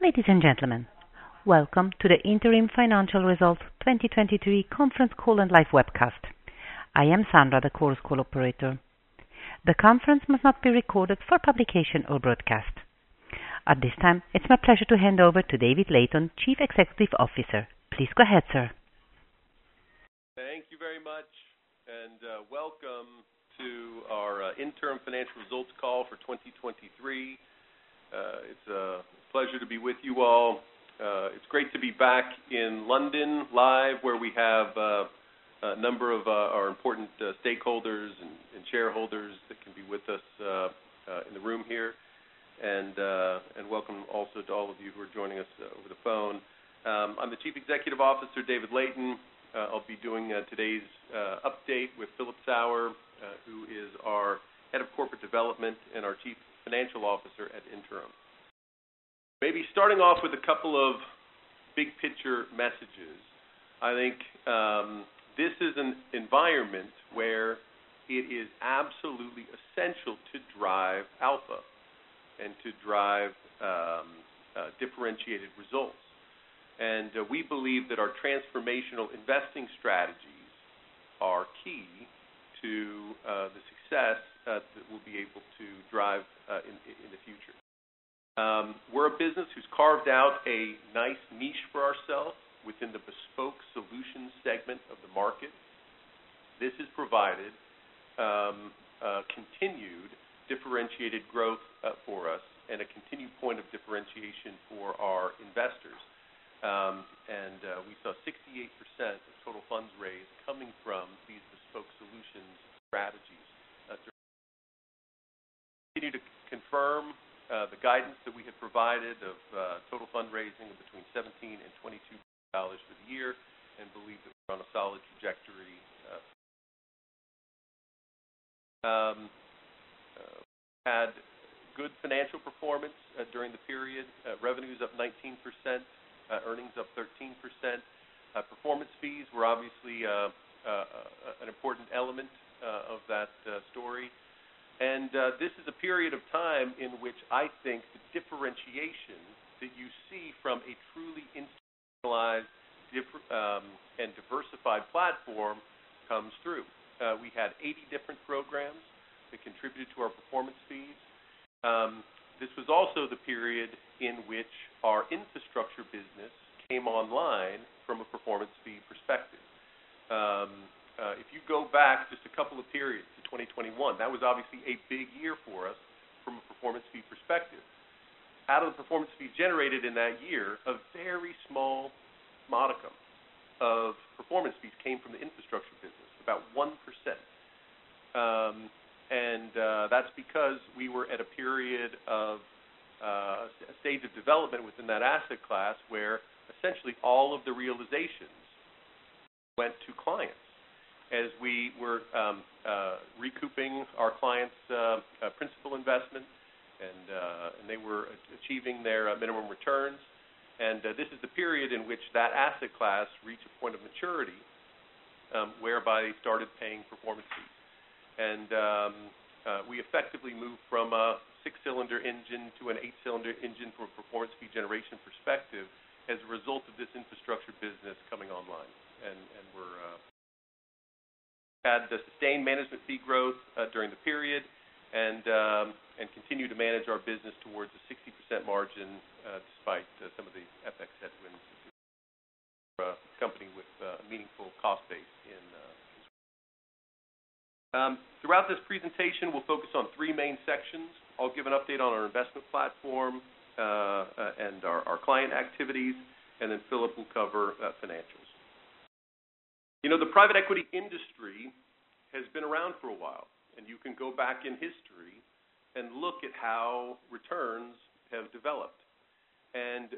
Ladies and gentlemen, welcome to the Interim Financial Results 2023 Conference Call and Live Webcast. I am Sandra, the Chorus Call operator. The conference must not be recorded for publication or broadcast. At this time, it's my pleasure to hand over to David Layton, Chief Executive Officer. Please go ahead, sir. Thank you very much, and welcome to our Interim Financial Results call for 2023. It's a pleasure to be with you all. It's great to be back in London live, where we have a number of our important stakeholders and shareholders that can be with us in the room here. And welcome also to all of you who are joining us over the phone. I'm the Chief Executive Officer, David Layton. I'll be doing today's update with Philip Sauer, who is our Head of Corporate Development and our Chief Financial Officer ad Interim. Maybe starting off with a couple of big picture messages. I think this is an environment where it is absolutely essential to drive alpha and to drive differentiated results. We believe that our transformational investing strategies are key to the success that we'll be able to drive in the future. We're a business who's carved out a nice niche for ourselves within the Bespoke Solutions segment of the market. This has provided continued differentiated growth for us and a continued point of differentiation for our investors. We saw 68% of total funds raised coming from these Bespoke Solutions strategies. Continue to confirm the guidance that we had provided of total fundraising of between $17 and $22 for the year, and believe that we're on a solid trajectory. We had good financial performance during the period. Revenues up 19%, earnings up 13%. Performance fees were obviously an important element of that story. This is a period of time in which I think the differentiation that you see from a truly institutionalized, and diversified platform comes through. We had 80 different programs that contributed to our performance fees. This was also the period in which our infrastructure business came online from a performance fee perspective. If you go back just a couple of periods to 2021, that was obviously a big year for us from a performance fee perspective. Out of the performance fee generated in that year, a very small modicum of performance fees came from the infrastructure business, about 1%. And, that's because we were at a period of a stage of development within that asset class, where essentially all of the realizations went to clients as we were recouping our clients' principal investments, and they were achieving their minimum returns. And, this is the period in which that asset class reached a point of maturity, whereby they started paying performance fees. And, we effectively moved from a six-cylinder engine to an eight-cylinder engine from a performance fee generation perspective as a result of this infrastructure business coming online. And we had the sustained management fee growth during the period, and continue to manage our business towards a 60% margin, despite some of the FX headwinds, company with a meaningful cost base in... Throughout this presentation, we'll focus on three main sections. I'll give an update on our investment platform, and our, our client activities, and then Philipp will cover, financials. You know, the private equity industry has been around for a while, and you can go back in history and look at how returns have developed. And,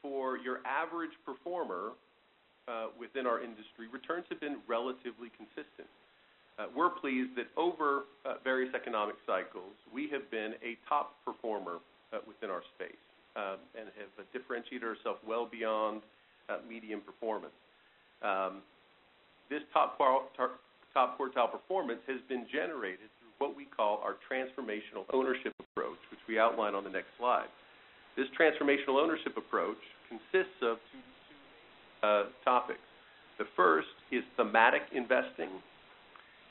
for your average performer, within our industry, returns have been relatively consistent. We're pleased that over, various economic cycles, we have been a top performer, within our space, and have differentiated ourselves well beyond, medium performance. This top quartile performance has been generated through what we call our transformational ownership approach, which we outline on the next slide. This transformational ownership approach consists of two, two, topics. The first is thematic investing,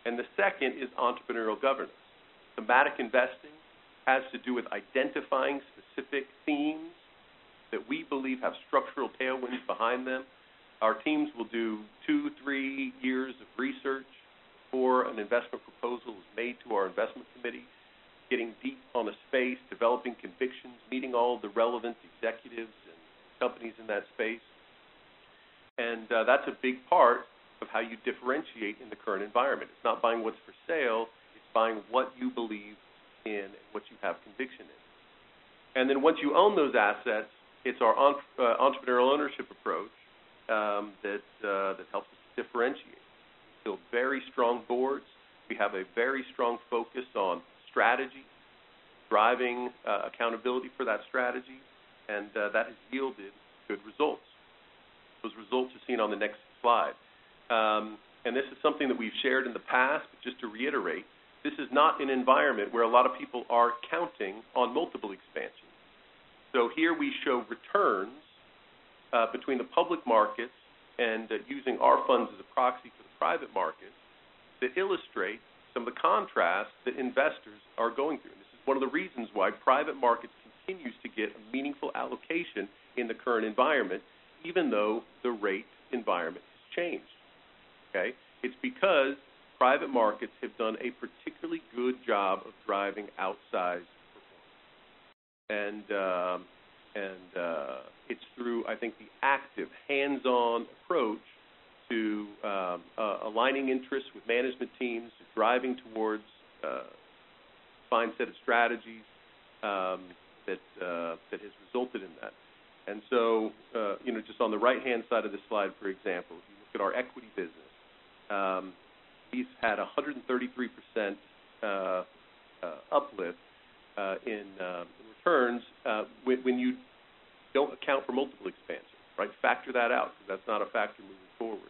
and the second is entrepreneurial governance. Thematic investing has to do with identifying specific themes that we believe have structural tailwinds behind them. Our teams will do 2-3 years of research before an investment proposal is made to our investment committee, getting deep on the space, developing convictions, meeting all the relevant executives and companies in that space. That's a big part of how you differentiate in the current environment. It's not buying what's for sale, it's buying what you believe in and what you have conviction in. And then once you own those assets, it's our entrepreneurial ownership approach that helps us differentiate. Very strong boards. We have a very strong focus on strategy, driving accountability for that strategy, and that has yielded good results. Those results are seen on the next slide. This is something that we've shared in the past. Just to reiterate, this is not an environment where a lot of people are counting on multiple expansions. So here we show returns between the public markets and using our funds as a proxy for the private markets, to illustrate some of the contrasts that investors are going through. This is one of the reasons why private markets continues to get a meaningful allocation in the current environment, even though the rate environment has changed. Okay? It's because private markets have done a particularly good job of driving outsized performance. And it's through, I think, the active, hands-on approach to aligning interests with management teams, driving towards a fine set of strategies, that that has resulted in that. You know, just on the right-hand side of this slide, for example, if you look at our equity business, we've had a 133% uplift in returns when you don't account for multiple expansion. Right? Factor that out, because that's not a factor moving forward.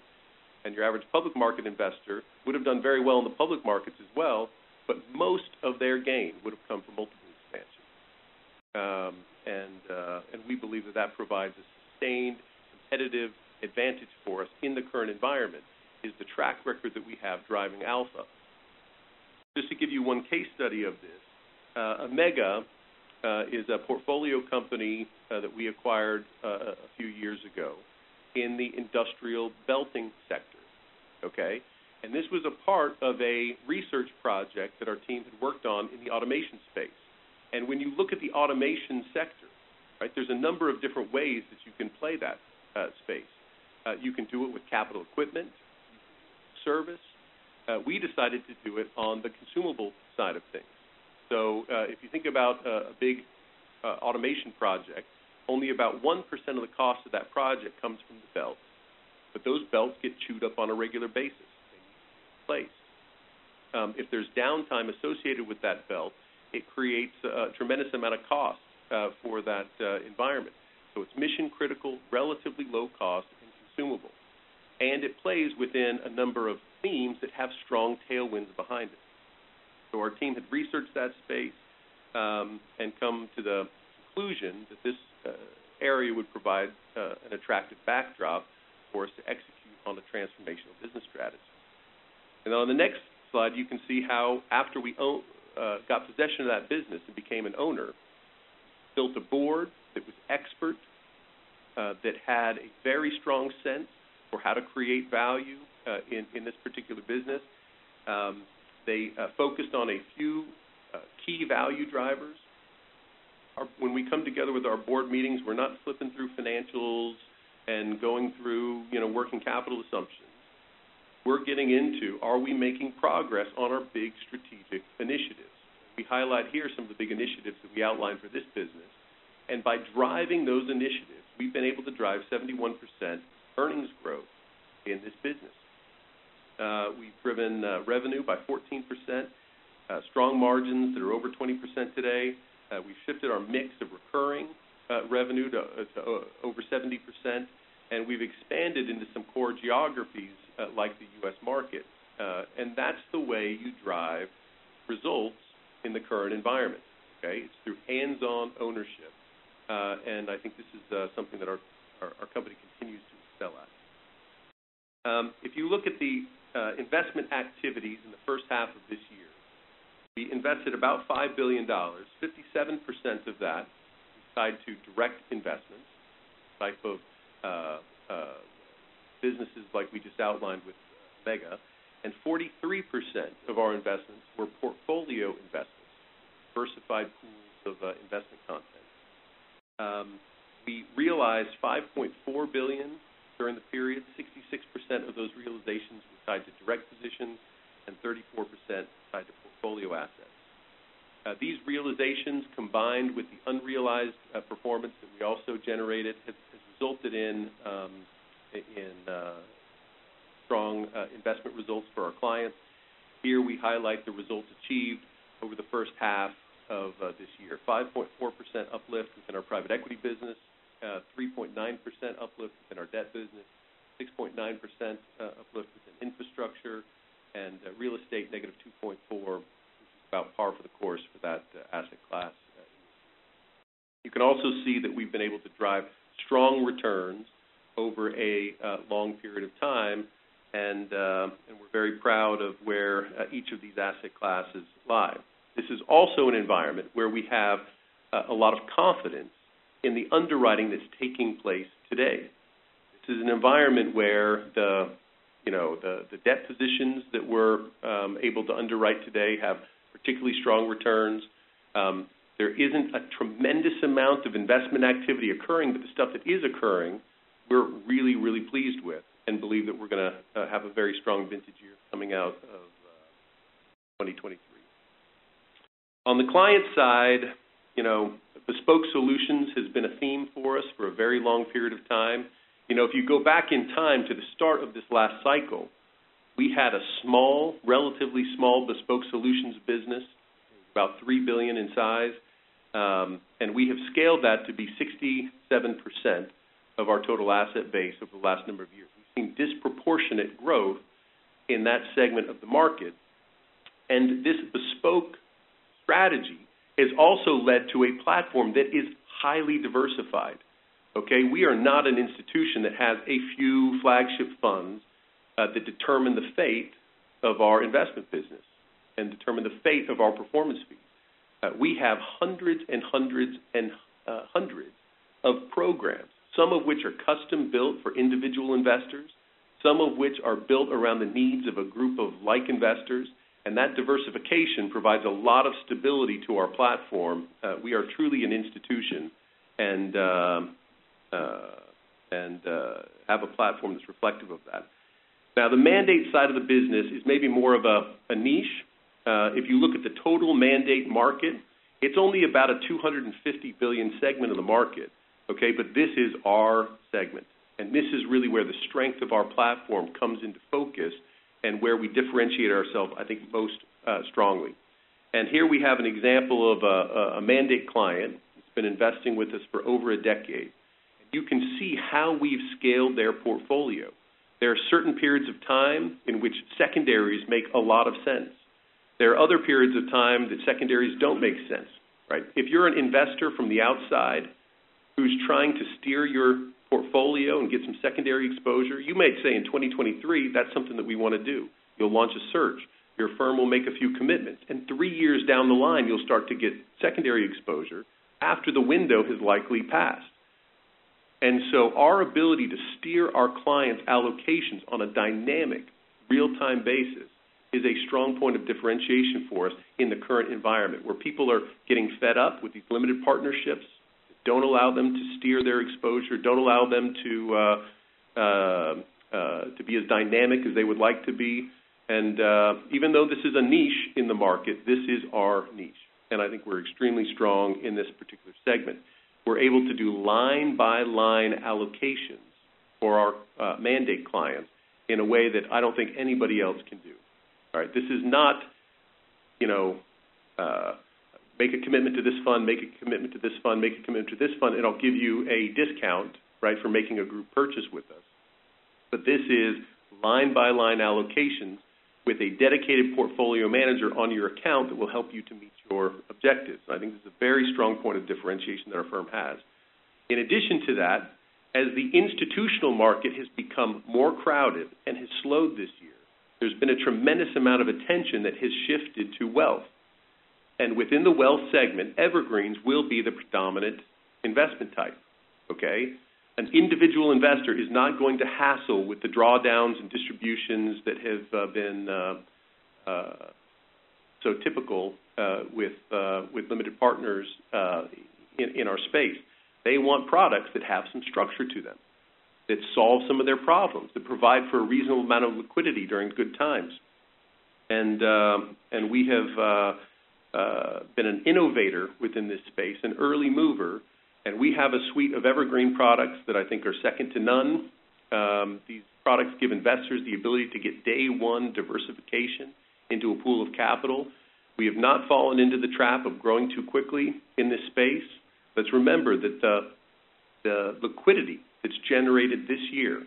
Your average public market investor would have done very well in the public markets as well, but most of their gain would have come from multiple expansion. And we believe that that provides a sustained competitive advantage for us in the current environment, is the track record that we have driving alpha. Just to give you one case study of this, Ammega is a portfolio company that we acquired a few years ago in the industrial belting sector. Okay? This was a part of a research project that our teams had worked on in the automation space. When you look at the automation sector, right, there's a number of different ways that you can play that, space. You can do it with capital equipment, service. We decided to do it on the consumable side of things. So, if you think about a big automation project, only about 1% of the cost of that project comes from the belt. But those belts get chewed up on a regular basis, they need to be replaced. If there's downtime associated with that belt, it creates a tremendous amount of cost for that environment. So it's mission-critical, relatively low cost and consumable, and it plays within a number of themes that have strong tailwinds behind it. So our team had researched that space, and come to the conclusion that this area would provide an attractive backdrop for us to execute on the transformational business strategy. And on the next slide, you can see how after we got possession of that business and became an owner, built a board that was expert that had a very strong sense for how to create value in this particular business. They focused on a few key value drivers. When we come together with our board meetings, we're not flipping through financials and going through, you know, working capital assumptions. We're getting into, are we making progress on our big strategic initiatives? We highlight here some of the big initiatives that we outlined for this business, and by driving those initiatives, we've been able to drive 71% earnings growth in this business. We've driven revenue by 14%, strong margins that are over 20% today. We've shifted our mix of recurring revenue to over 70%, and we've expanded into some core geographies, like the U.S. market. And that's the way you drive results in the current environment, okay? It's through hands-on ownership. And I think this is something that our company continues to excel at. If you look at the investment activities in the H1 of this year, we invested about $5 billion, 57% of that tied to direct investments, type of businesses like we just outlined with Ammega, and 43% of our investments were portfolio investments, diversified pools of investment content. We realized $5.4 billion during the period. 66% of those realizations were tied to direct positions, and 34% tied to portfolio assets. These realizations, combined with the unrealized performance that we also generated, has resulted in strong investment results for our clients. Here, we highlight the results achieved over theH1 of this year. 5.4% uplift within our private equity business, three point nine percent uplift within our debt business, 6.9%, uplift within infrastructure, and real estate, negative 2.4, which is about par for the course for that asset class. You can also see that we've been able to drive strong returns over a long period of time, and we're very proud of where each of these asset classes lie. This is also an environment where we have a lot of confidence in the underwriting that's taking place today. This is an environment where the you know, the debt positions that we're able to underwrite today have particularly strong returns. There isn't a tremendous amount of investment activity occurring, but the stuff that is occurring, we're really, really pleased with and believe that we're gonna have a very strong vintage year coming out of 2023. On the client side, you know, bespoke solutions has been a theme for us for a very long period of time. You know, if you go back in time to the start of this last cycle... We had a small, relatively small bespoke solutions business, about $3 billion in size, and we have scaled that to be 67% of our total asset base over the last number of years. We've seen disproportionate growth in that segment of the market, and this bespoke strategy has also led to a platform that is highly diversified, okay? We are not an institution that has a few flagship funds, that determine the fate of our investment business and determine the fate of our performance fee. We have hundreds and hundreds and hundreds of programs, some of which are custom-built for individual investors, some of which are built around the needs of a group of like investors, and that diversification provides a lot of stability to our platform. We are truly an institution and, and have a platform that's reflective of that. Now, the mandate side of the business is maybe more of a, a niche. If you look at the total mandate market, it's only about a $250 billion segment of the market, okay? But this is our segment, and this is really where the strength of our platform comes into focus and where we differentiate ourselves, I think, most strongly. And here we have an example of a mandate client that's been investing with us for over a decade. You can see how we've scaled their portfolio. There are certain periods of time in which secondaries make a lot of sense. There are other periods of time that secondaries don't make sense, right? If you're an investor from the outside who's trying to steer your portfolio and get some secondary exposure, you might say, in 2023, that's something that we want to do. You'll launch a search, your firm will make a few commitments, and three years down the line, you'll start to get secondary exposure after the window has likely passed. And so our ability to steer our clients' allocations on a dynamic, real-time basis is a strong point of differentiation for us in the current environment, where people are getting fed up with these limited partnerships, don't allow them to steer their exposure, don't allow them to, to be as dynamic as they would like to be. And, even though this is a niche in the market, this is our niche, and I think we're extremely strong in this particular segment. We're able to do line-by-line allocations for our, mandate clients in a way that I don't think anybody else can do. All right, this is not, you know, make a commitment to this fund, make a commitment to this fund, make a commitment to this fund, and I'll give you a discount, right, for making a group purchase with us. This is line-by-line allocations with a dedicated portfolio manager on your account that will help you to meet your objectives. I think this is a very strong point of differentiation that our firm has. In addition to that, as the institutional market has become more crowded and has slowed this year, there's been a tremendous amount of attention that has shifted to wealth. Within the wealth segment, evergreens will be the predominant investment type, okay? An individual investor is not going to hassle with the drawdowns and distributions that have been so typical with limited partners in our space. They want products that have some structure to them, that solve some of their problems, that provide for a reasonable amount of liquidity during good times. We have been an innovator within this space, an early mover, and we have a suite of evergreen products that I think are second to none. These products give investors the ability to get day one diversification into a pool of capital. We have not fallen into the trap of growing too quickly in this space. Let's remember that the liquidity that's generated this year,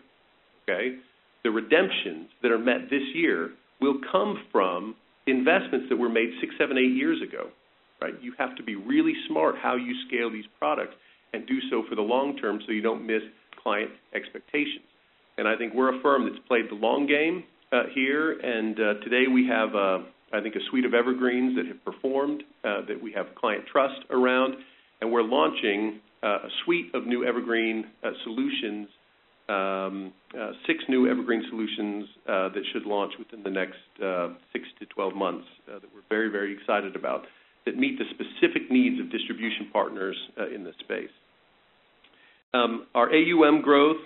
the redemptions that are met this year, will come from investments that were made six, seven, eight years ago, right? You have to be really smart how you scale these products and do so for the long term, so you don't miss client expectations. I think we're a firm that's played the long game here, and today we have, I think, a suite of evergreens that have performed, that we have client trust around, and we're launching a suite of new evergreen solutions—6 new evergreen solutions that should launch within the next 6-12 months, that we're very, very excited about, that meet the specific needs of distribution partners in this space. Our AUM growth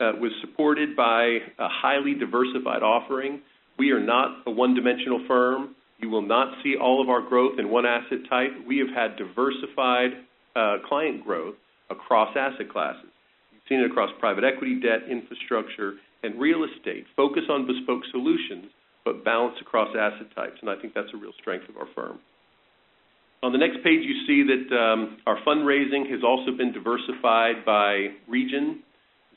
was supported by a highly diversified offering. We are not a one-dimensional firm. You will not see all of our growth in one asset type. We have had diversified client growth across asset classes. We've seen it across private equity, debt, infrastructure, and real estate. Focus on bespoke solutions, but balanced across asset types, and I think that's a real strength of our firm. On the next page, you see that, our fundraising has also been diversified by region.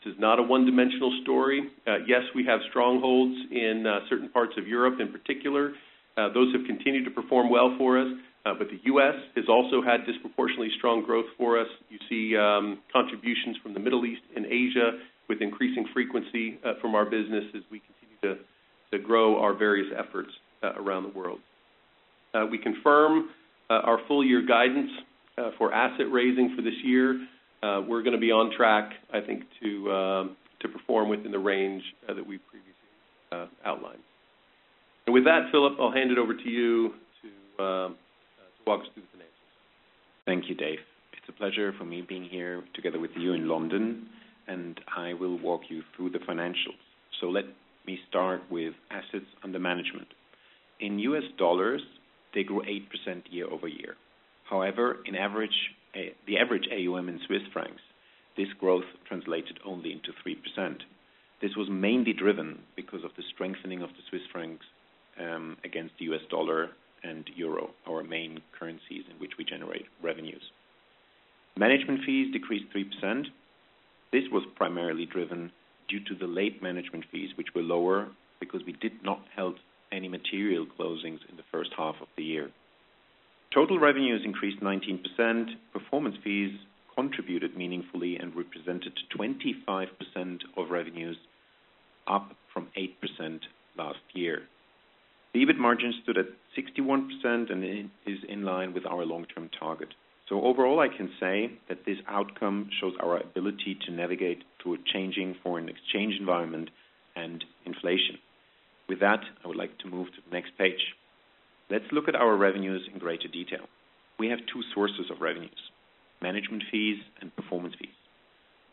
This is not a one-dimensional story. Yes, we have strongholds in, certain parts of Europe in particular. Those have continued to perform well for us, but the U.S. has also had disproportionately strong growth for us. You see, contributions from the Middle East and Asia with increasing frequency, from our business as we continue to grow our various efforts, around the world. We confirm, our full year guidance, for asset raising for this year. We're gonna be on track, I think, to perform within the range, that we previously outlined. With that, Philipp, I'll hand it over to you to walk us through the finances. Thank you, Dave. It's a pleasure for me being here together with you in London, and I will walk you through the financials. So let me start with assets under management. In U.S. dollars, they grew 8% year-over-year. However, on average, the average AUM in Swiss francs, this growth translated only into 3%. This was mainly driven because of the strengthening of the Swiss franc against the U.S. dollar and euro, our main currencies in which we generate revenues. Management fees decreased 3%. This was primarily driven due to the late management fees, which were lower because we did not hold any material closings in the H1 of the year. Total revenues increased 19%. Performance fees contributed meaningfully and represented 25% of revenues, up from 8% last year. The EBIT margin stood at 61%, and it is in line with our long-term target. So overall, I can say that this outcome shows our ability to navigate through a changing foreign exchange environment and inflation. With that, I would like to move to the next page. Let's look at our revenues in greater detail. We have two sources of revenues: management fees and performance fees.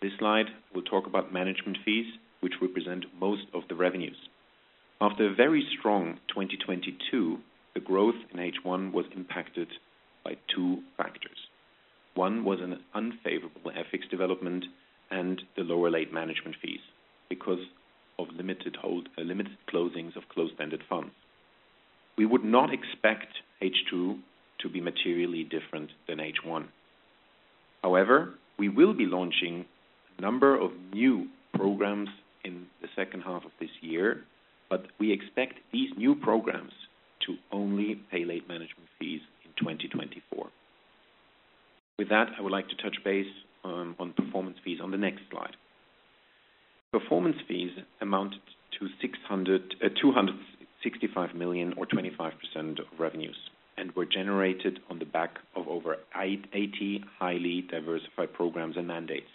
This slide will talk about management fees, which represent most of the revenues. After a very strong 2022, the growth in H1 was impacted by two factors. One was an unfavorable FX development and the lower late management fees because of limited closings of closed-ended funds. We would not expect H2 to be materially different than H1. However, we will be launching a number of new programs in the H2 of this year, but we expect these new programs to only pay late management fees in 2024. With that, I would like to touch base on performance fees on the next slide. Performance fees amounted to 265 million or 25% of revenues, and were generated on the back of over 80 highly diversified programs and mandates.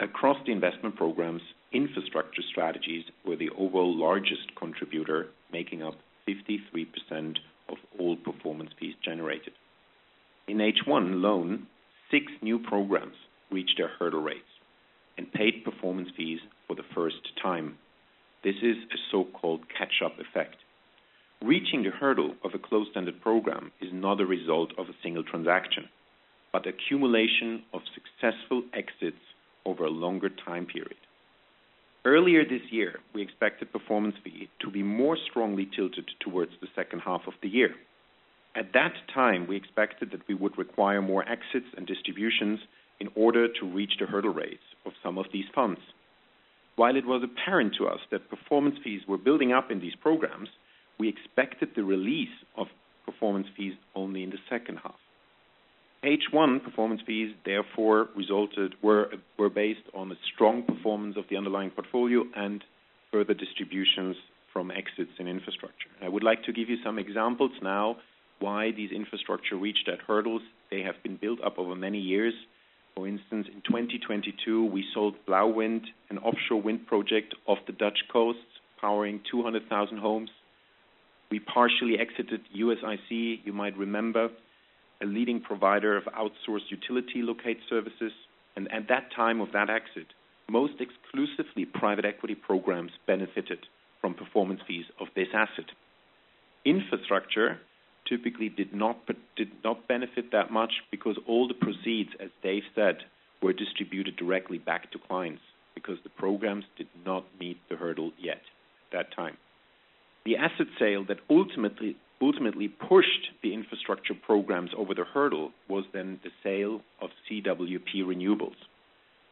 Across the investment programs, infrastructure strategies were the overall largest contributor, making up 53% of all performance fees generated. In H1 alone, six new programs reached their hurdle rates and paid performance fees for the first time. This is a so-called catch-up effect. Reaching the hurdle of a closed-ended program is not a result of a single transaction, but accumulation of successful exits over a longer time period. Earlier this year, we expected performance fee to be more strongly tilted towards the H2 of the year. At that time, we expected that we would require more exits and distributions in order to reach the hurdle rates of some of these funds. While it was apparent to us that performance fees were building up in these programs, we expected the release of performance fees only in the H2. H1 performance fees, therefore, were based on a strong performance of the underlying portfolio and further distributions from exits in infrastructure. I would like to give you some examples now why these infrastructure reached that hurdles. They have been built up over many years. For instance, in 2022, we sold Blauwwind, an offshore wind project off the Dutch coast, powering 200,000 homes. We partially exited USIC, you might remember, a leading provider of outsourced utility locate services, and at that time of that exit, most exclusively private equity programs benefited from performance fees of this asset. Infrastructure typically did not benefit that much because all the proceeds, as Dave said, were distributed directly back to clients because the programs did not meet the hurdle yet at that time. The asset sale that ultimately, ultimately pushed the infrastructure programs over the hurdle was then the sale of CWP Renewables.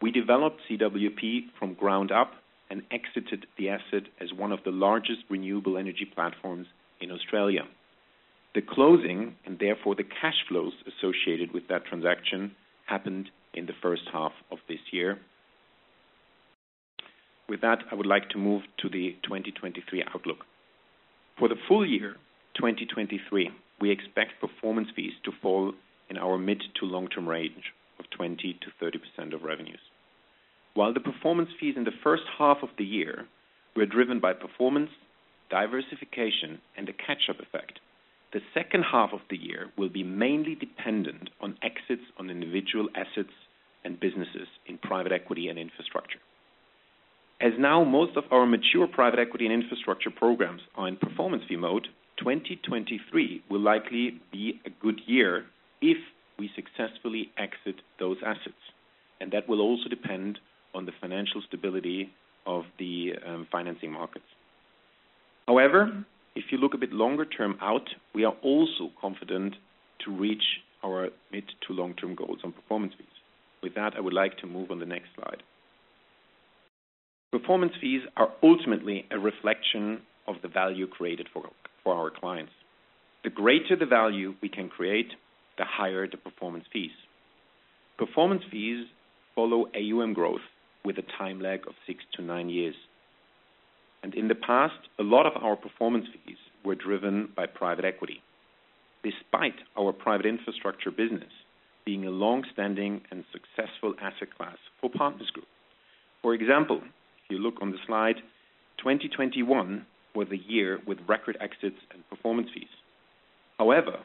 We developed CWP from ground up and exited the asset as one of the largest renewable energy platforms in Australia. The closing, and therefore the cash flows associated with that transaction, happened in the H1 of this year. With that, I would like to move to the 2023 outlook. For the full year, 2023, we expect performance fees to fall in our mid- to long-term range of 20%-30% of revenues. While the performance fees in the H1 of the year were driven by performance, diversification, and a catch-up effect, the H2 of the year will be mainly dependent on exits on individual assets and businesses in private equity and infrastructure. As now, most of our mature private equity and infrastructure programs are in performance fee mode, 2023 will likely be a good year if we successfully exit those assets, and that will also depend on the financial stability of the financing markets. However, if you look a bit longer term out, we are also confident to reach our mid- to long-term goals on performance fees. With that, I would like to move on the next slide. Performance fees are ultimately a reflection of the value created for, for our clients. The greater the value we can create, the higher the performance fees. Performance fees follow AUM growth with a time lag of 6-9 years. In the past, a lot of our performance fees were driven by private equity, despite our private infrastructure business being a long-standing and successful asset class for Partners Group. For example, if you look on the slide, 2021 was a year with record exits and performance fees. However,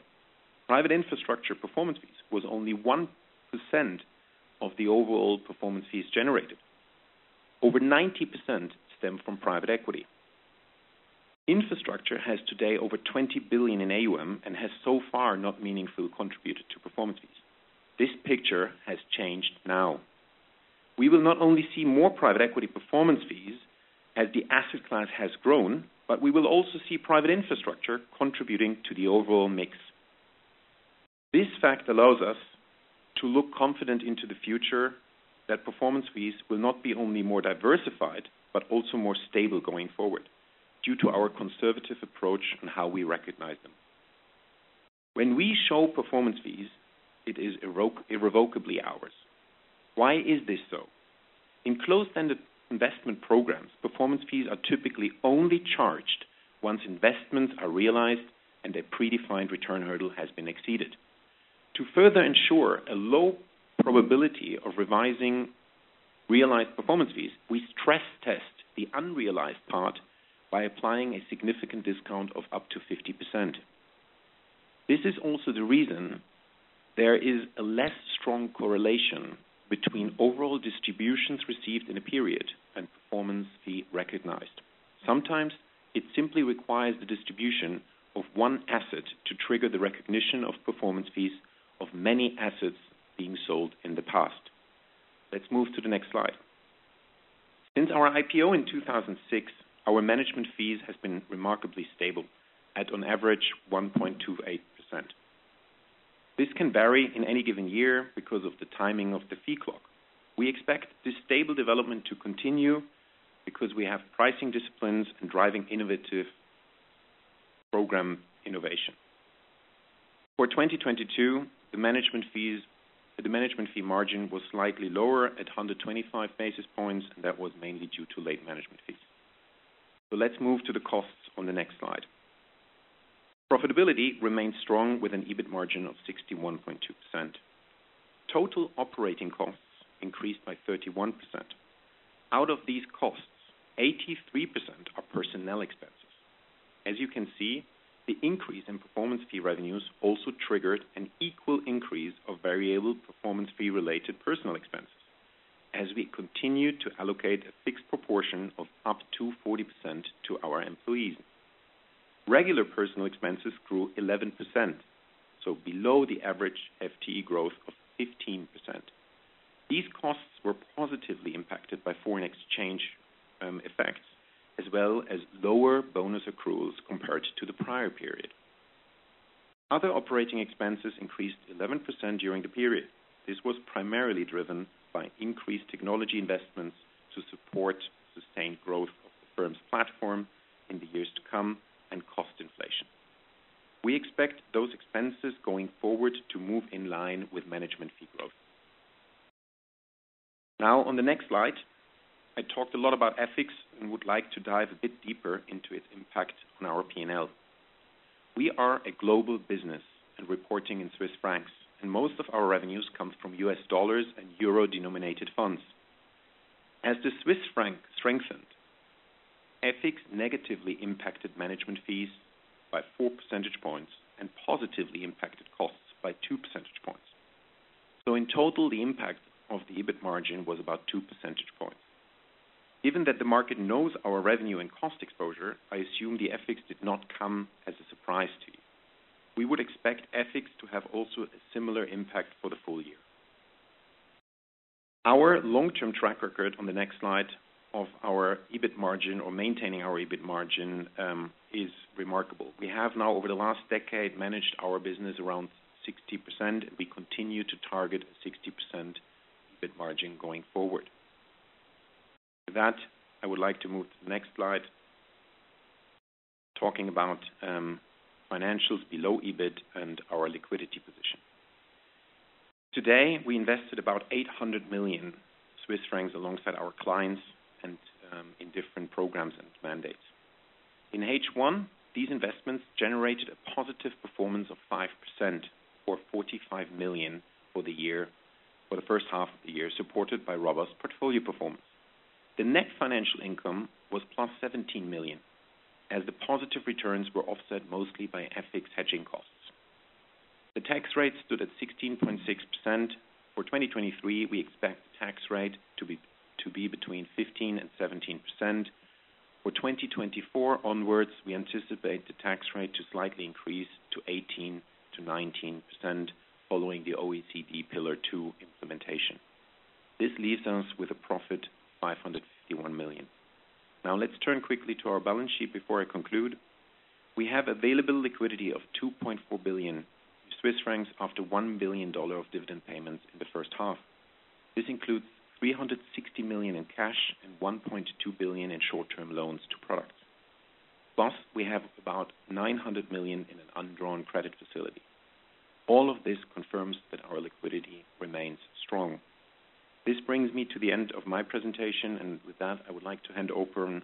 private infrastructure performance fees was only 1% of the overall performance fees generated. Over 90% stem from private equity. Infrastructure has today over $20 billion in AUM and has so far not meaningfully contributed to performance fees. This picture has changed now. We will not only see more private equity performance fees as the asset class has grown, but we will also see private infrastructure contributing to the overall mix. This fact allows us to look confident into the future that performance fees will not be only more diversified, but also more stable going forward, due to our conservative approach on how we recognize them. When we show performance fees, it is irrevocably ours. Why is this so? In closed-ended investment programs, performance fees are typically only charged once investments are realized and their predefined return hurdle has been exceeded. To further ensure a low probability of revising realized performance fees, we stress test the unrealized part by applying a significant discount of up to 50%. This is also the reason there is a less strong correlation between overall distributions received in a period and performance fee recognized. Sometimes it simply requires the distribution of one asset to trigger the recognition of performance fees of many assets being sold in the past. Let's move to the next slide. Since our IPO in 2006, our management fees has been remarkably stable at on average, 1.28%. This can vary in any given year because of the timing of the fee clock. We expect this stable development to continue because we have pricing disciplines and driving innovative program innovation. For 2022, the management fees, the management fee margin was slightly lower at 125 basis points, and that was mainly due to late management fees. So let's move to the costs on the next slide. Profitability remains strong with an EBIT margin of 61.2%. Total operating costs increased by 31%. Out of these costs, 83% are personnel expenses. As you can see, the increase in performance fee revenues also triggered an equal increase of variable performance fee-related personnel expenses, as we continued to allocate a fixed proportion of up to 40% to our employees. Regular personnel expenses grew 11%, so below the average FTE growth of 15%. These costs were positively impacted by foreign exchange effects, as well as lower bonus accruals compared to the prior period. Other operating expenses increased 11% during the period. This was primarily driven by increased technology investments to support sustained growth of the firm's platform in the years to come, and cost inflation. We expect those expenses going forward to move in line with management fee growth. Now, on the next slide, I talked a lot about FX and would like to dive a bit deeper into its impact on our P&L. We are a global business and reporting in Swiss francs, and most of our revenues come from U.S. dollars and euro-denominated funds. As the Swiss franc strengthened, FX negatively impacted management fees by 4 percentage points and positively impacted costs by 2 percentage points. So in total, the impact of the EBIT margin was about 2 percentage points. Given that the market knows our revenue and cost exposure, I assume the FX did not come as a surprise to you. We would expect FX to have also a similar impact for the full year. Our long-term track record on the next slide of our EBIT margin or maintaining our EBIT margin is remarkable. We have now, over the last decade, managed our business around 60%. We continue to target 60% EBIT margin going forward. With that, I would like to move to the next slide, talking about financials below EBIT and our liquidity position. Today, we invested about 800 million Swiss francs alongside our clients and in different programs and mandates. In H1, these investments generated a positive performance of 5% or 45 million for the year—for the H1 of the year, supported by robust portfolio performance. The net financial income was +17 million, as the positive returns were offset mostly by FX hedging costs. The tax rate stood at 16.6%. For 2023, we expect the tax rate to be, to be between 15%-17%. For 2024 onwards, we anticipate the tax rate to slightly increase to 18%-19% following the OECD Pillar Two implementation. This leaves us with a profit of 551 million. Now, let's turn quickly to our balance sheet before I conclude. We have available liquidity of 2.4 billion Swiss francs after $1 billion of dividend payments in the H1. This includes 360 million in cash and 1.2 billion in short-term loans to products. Plus, we have about 900 million in an undrawn credit facility. All of this confirms that our liquidity remains strong. This brings me to the end of my presentation, and with that, I would like to hand over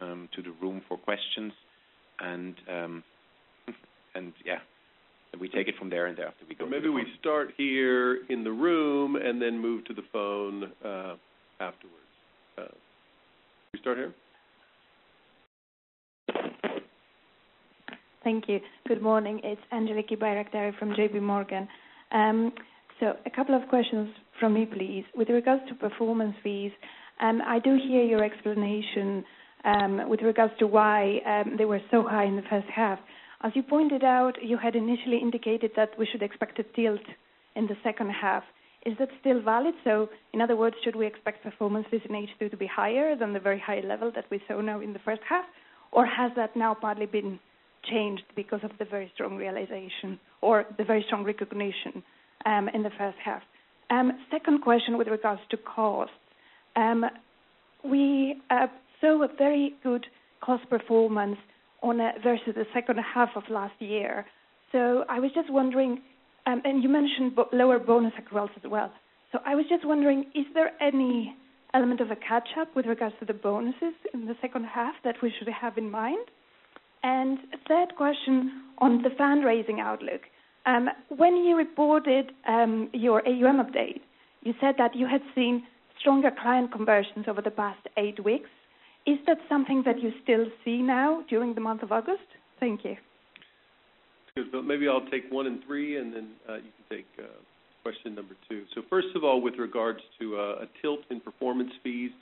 to the room for questions. And, and yeah, and we take it from there, and after we go- Maybe we start here in the room and then move to the phone, afterwards. We start here?... Thank you. Good morning, it's Angeliki Bairaktari from JPMorgan. So a couple of questions from me, please. With regards to performance fees, I do hear your explanation, with regards to why, they were so high in the H1. As you pointed out, you had initially indicated that we should expect a tilt in the H2. Is that still valid? So in other words, should we expect performance fees in H2 to be higher than the very high level that we saw now in the H1? Or has that now partly been changed because of the very strong realization or the very strong recognition, in the H1? Second question with regards to cost. We saw a very good cost performance versus the H2 of last year. So I was just wondering, and you mentioned lower bonus accruals as well. So I was just wondering, is there any element of a catch-up with regards to the bonuses in the H2 that we should have in mind? And a third question on the fundraising outlook. When you reported your AUM update, you said that you had seen stronger client conversions over the past eight weeks. Is that something that you still see now during the month of August? Thank you. Good. So maybe I'll take one and three, and then, you can take, question number two. So first of all, with regards to, a tilt in performance fees,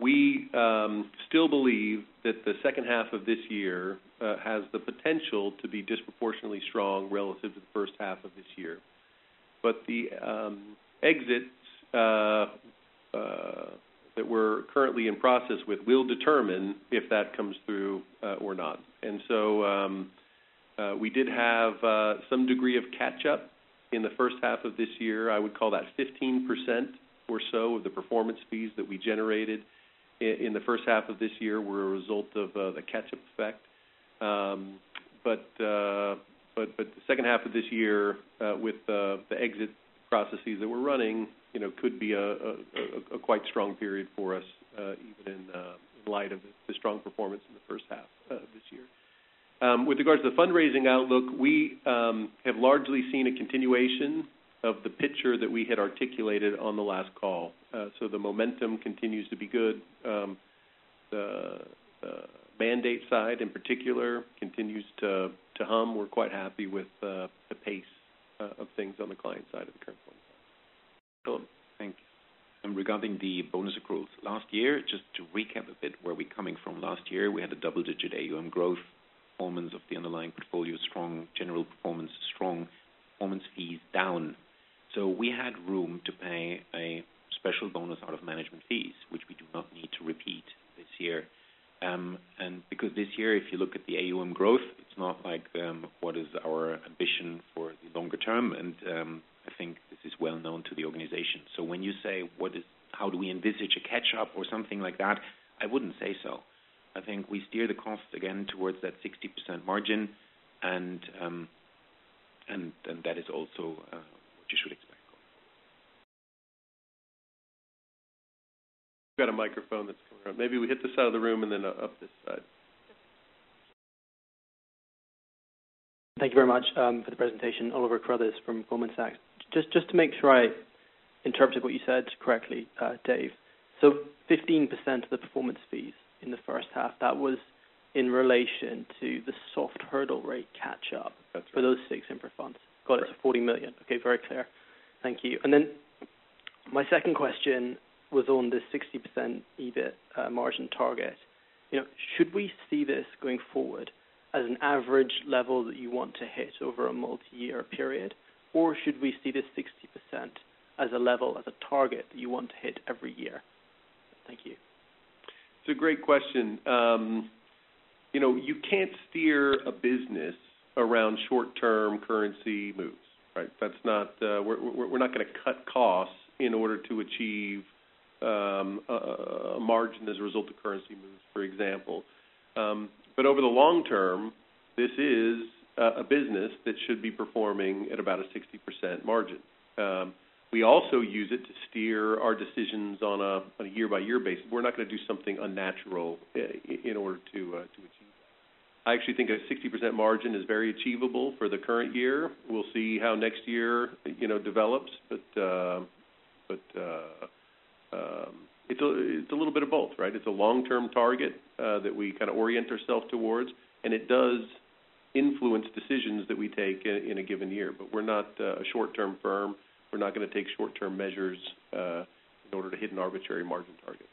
we, still believe that the H2 of this year, has the potential to be disproportionately strong relative to the H1 of this year. But the, exits, that we're currently in process with will determine if that comes through, or not. And so, we did have, some degree of catch-up in the H1 of this year. I would call that 15% or so of the performance fees that we generated in the H1 of this year were a result of, the catch-up effect. But the H2 of this year, with the exit processes that we're running, you know, could be a quite strong period for us, even in light of the strong performance in the H1 of this year. With regards to the fundraising outlook, we have largely seen a continuation of the picture that we had articulated on the last call. So the momentum continues to be good. The mandate side, in particular, continues to hum. We're quite happy with the pace of things on the client side of the current formula. Cool. Thank you. And regarding the bonus accruals, last year, just to recap a bit, where we're coming from last year, we had a double-digit AUM growth, performance of the underlying portfolio, strong general performance, strong performance fees down. So we had room to pay a special bonus out of management fees, which we do not need to repeat this year. And because this year, if you look at the AUM growth, it's not like, what is our ambition for the longer term, and, I think this is well known to the organization. So when you say, what is-- how do we envisage a catch-up or something like that? I wouldn't say so. I think we steer the costs again towards that 60% margin, and, and, and that is also, what you should expect. We've got a microphone that's coming up. Maybe we hit this side of the room and then up this side. Thank you very much for the presentation, Oliver Carruthers from Goldman Sachs. Just to make sure I interpreted what you said correctly, Dave. So 15% of the performance fees in the H1, that was in relation to the soft hurdle rate catch-up- That's right. -for those 6 infra funds. Correct. Got it. It's 40 million. Okay, very clear. Thank you. Then my second question was on the 60% EBIT margin target. You know, should we see this going forward as an average level that you want to hit over a multi-year period? Or should we see this 60% as a level, as a target that you want to hit every year? Thank you. It's a great question. You know, you can't steer a business around short-term currency moves, right? That's not. We're not going to cut costs in order to achieve a margin as a result of currency moves, for example. But over the long term, this is a business that should be performing at about a 60% margin. We also use it to steer our decisions on a year-by-year basis. We're not going to do something unnatural in order to achieve that. I actually think a 60% margin is very achievable for the current year. We'll see how next year, you know, develops, but it's a little bit of both, right? It's a long-term target that we kind of orient ourselves towards, and it does influence decisions that we take in a given year. But we're not a short-term firm. We're not going to take short-term measures in order to hit an arbitrary margin target.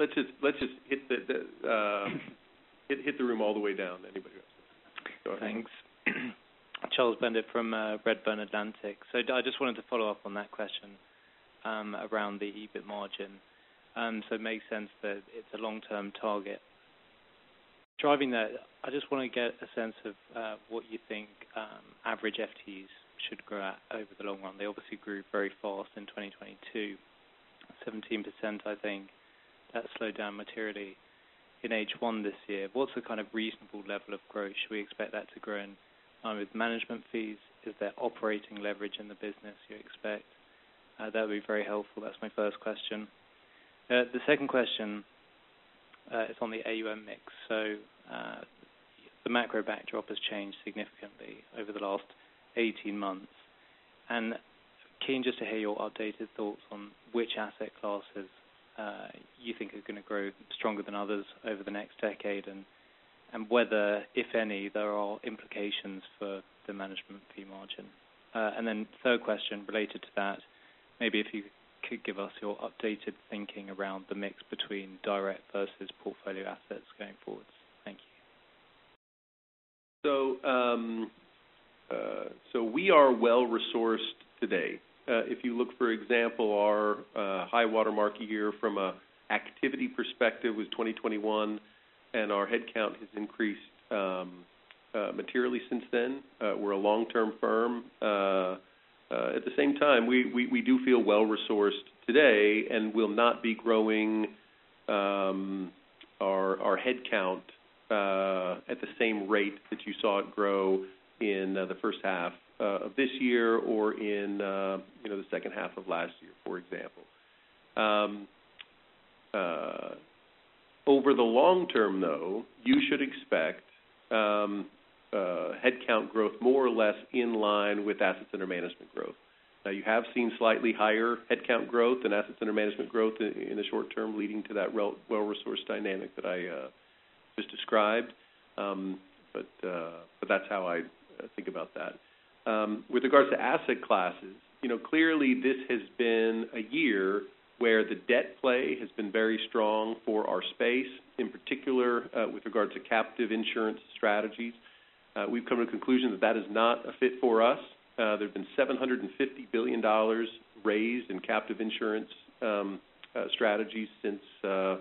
Let's just hit the room all the way down. Anybody else? Go ahead. Thanks. Charles Bendit from Redburn Atlantic. So I just wanted to follow up on that question around the EBIT margin. So it makes sense that it's a long-term target. Driving that, I just want to get a sense of what you think average FTEs should grow at over the long run. They obviously grew very fast in 2022, 17%, I think. That slowed down materially in H1 this year. What's the kind of reasonable level of growth? Should we expect that to grow in with management fees? Is there operating leverage in the business you expect? That would be very helpful. That's my first question. The second question-... It's on the AUM mix. So, the macro backdrop has changed significantly over the last 18 months. And keen just to hear your updated thoughts on which asset classes, you think are gonna grow stronger than others over the next decade, and, and whether, if any, there are implications for the management fee margin. And then third question related to that, maybe if you could give us your updated thinking around the mix between direct versus portfolio assets going forward. Thank you. So we are well-resourced today. If you look, for example, our high water mark year from a activity perspective was 2021, and our headcount has increased materially since then. We're a long-term firm. At the same time, we do feel well-resourced today and will not be growing our headcount at the same rate that you saw it grow in the H1 of this year or in, you know, the H2 of last year, for example. Over the long term, though, you should expect headcount growth more or less in line with assets under management growth. Now, you have seen slightly higher headcount growth and assets under management growth in the short term, leading to that well-resourced dynamic that I just described. But that's how I think about that. With regards to asset classes, you know, clearly this has been a year where the debt play has been very strong for our space, in particular, with regard to captive insurance strategies. We've come to the conclusion that that is not a fit for us. There have been $750 billion raised in captive insurance strategies since COVID,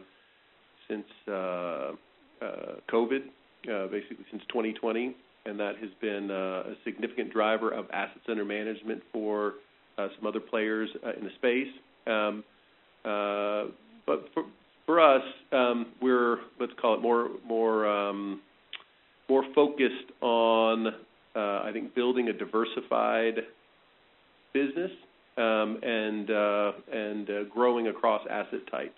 basically since 2020, and that has been a significant driver of assets under management for some other players in the space. But for us, we're, let's call it more focused on, I think building a diversified business, and growing across asset types.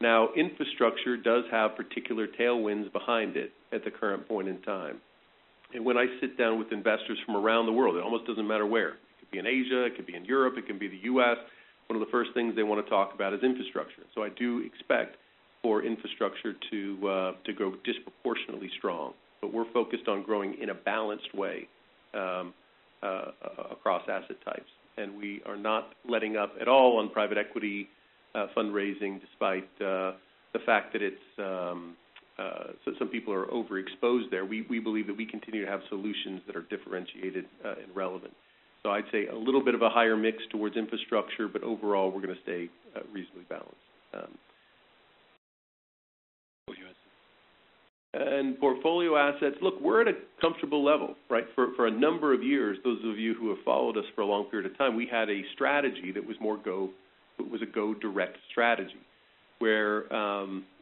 Now, infrastructure does have particular tailwinds behind it at the current point in time. When I sit down with investors from around the world, it almost doesn't matter where. It could be in Asia, it could be in Europe, it can be the US, one of the first things they want to talk about is infrastructure. So I do expect for infrastructure to grow disproportionately strong. But we're focused on growing in a balanced way across asset types. And we are not letting up at all on private equity fundraising, despite the fact that it's... So some people are overexposed there. We believe that we continue to have solutions that are differentiated and relevant. So I'd say a little bit of a higher mix towards infrastructure, but overall, we're going to stay reasonably balanced. Portfolio assets. Portfolio assets. Look, we're at a comfortable level, right? For a number of years, those of you who have followed us for a long period of time, we had a strategy that was more go direct strategy, where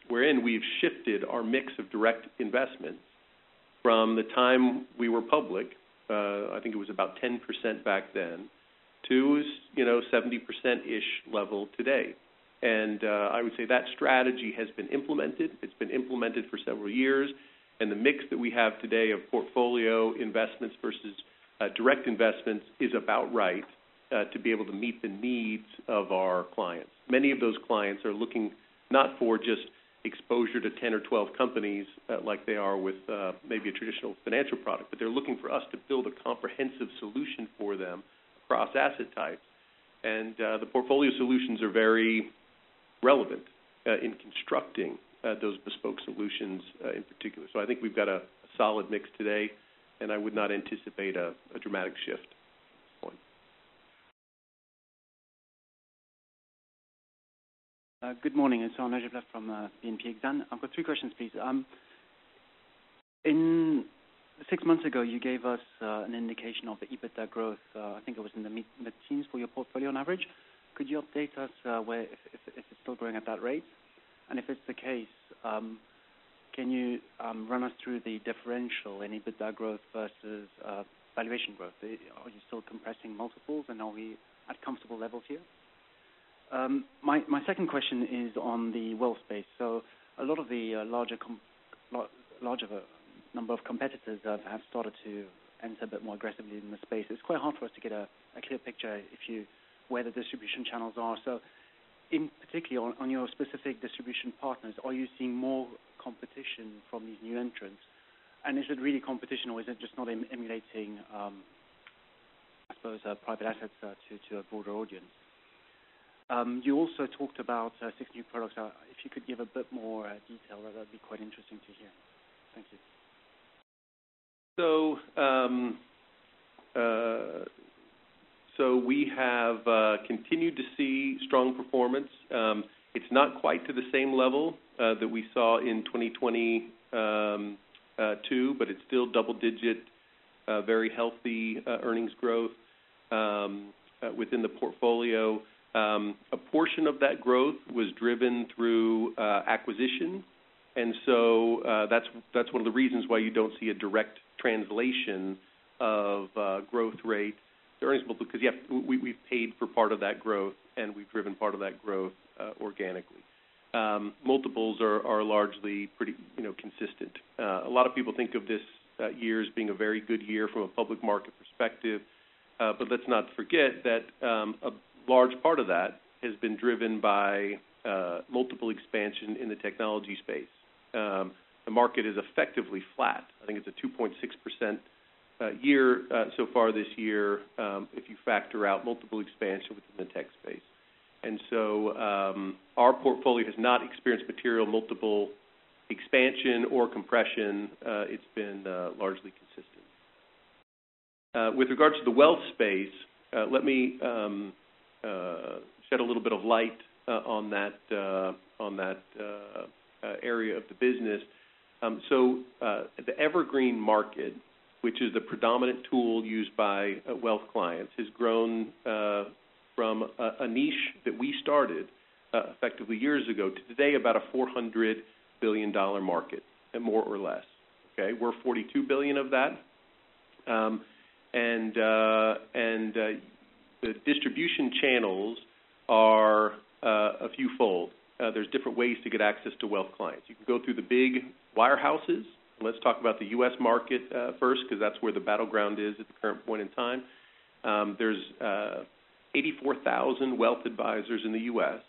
wherein we've shifted our mix of direct investments from the time we were public, I think it was about 10% back then, to, you know, 70%-ish level today. I would say that strategy has been implemented. It's been implemented for several years, and the mix that we have today of portfolio investments versus direct investments is about right, to be able to meet the needs of our clients. Many of those clients are looking not for just exposure to 10 or 12 companies, like they are with, maybe a traditional financial product, but they're looking for us to build a comprehensive solution for them across asset types. And, the portfolio solutions are very relevant, in constructing, those bespoke solutions, in particular. So I think we've got a solid mix today, and I would not anticipate a dramatic shift at this point. Good morning. It's Jean from BNP Exane. I've got three questions, please. 6 months ago, you gave us an indication of the EBITDA growth. I think it was in the mid-teens for your portfolio on average. Could you update us where if it's still growing at that rate? And if it's the case, can you run us through the differential in EBITDA growth versus valuation growth? Are you still compressing multiples, and are we at comfortable levels here? My second question is on the wealth space. So a lot of the larger number of competitors have started to enter a bit more aggressively in the space. It's quite hard for us to get a clear picture if you where the distribution channels are. So in particular, on your specific distribution partners, are you seeing more competition from these new entrants? And is it really competition, or is it just not emulating, I suppose, private assets to a broader audience? You also talked about 6 new products. If you could give a bit more detail, that would be quite interesting to hear. Thank you. So we have continued to see strong performance. It's not quite to the same level that we saw in 2022, but it's still double-digit very healthy earnings growth within the portfolio. A portion of that growth was driven through acquisition. That's one of the reasons why you don't see a direct translation of growth rate, the earnings, because, yeah, we've paid for part of that growth, and we've driven part of that growth organically. Multiples are largely pretty, you know, consistent. A lot of people think of this year as being a very good year from a public market perspective. But let's not forget that a large part of that has been driven by multiple expansion in the technology space. The market is effectively flat. I think it's a 2.6% year so far this year, if you factor out multiple expansion within the tech space. And so, our portfolio has not experienced material multiple expansion or compression. It's been largely consistent. With regards to the wealth space, let me shed a little bit of light on that area of the business. So, the Evergreen market, which is the predominant tool used by wealth clients, has grown from a niche that we started effectively years ago, to today, about a $400 billion market, more or less, okay? We're $42 billion of that. And the distribution channels are a fewfold. There's different ways to get access to wealth clients. You can go through the big wirehouses. Let's talk about the U.S. market first, because that's where the battleground is at the current point in time. There's 84,000 wealth advisors in the U.S.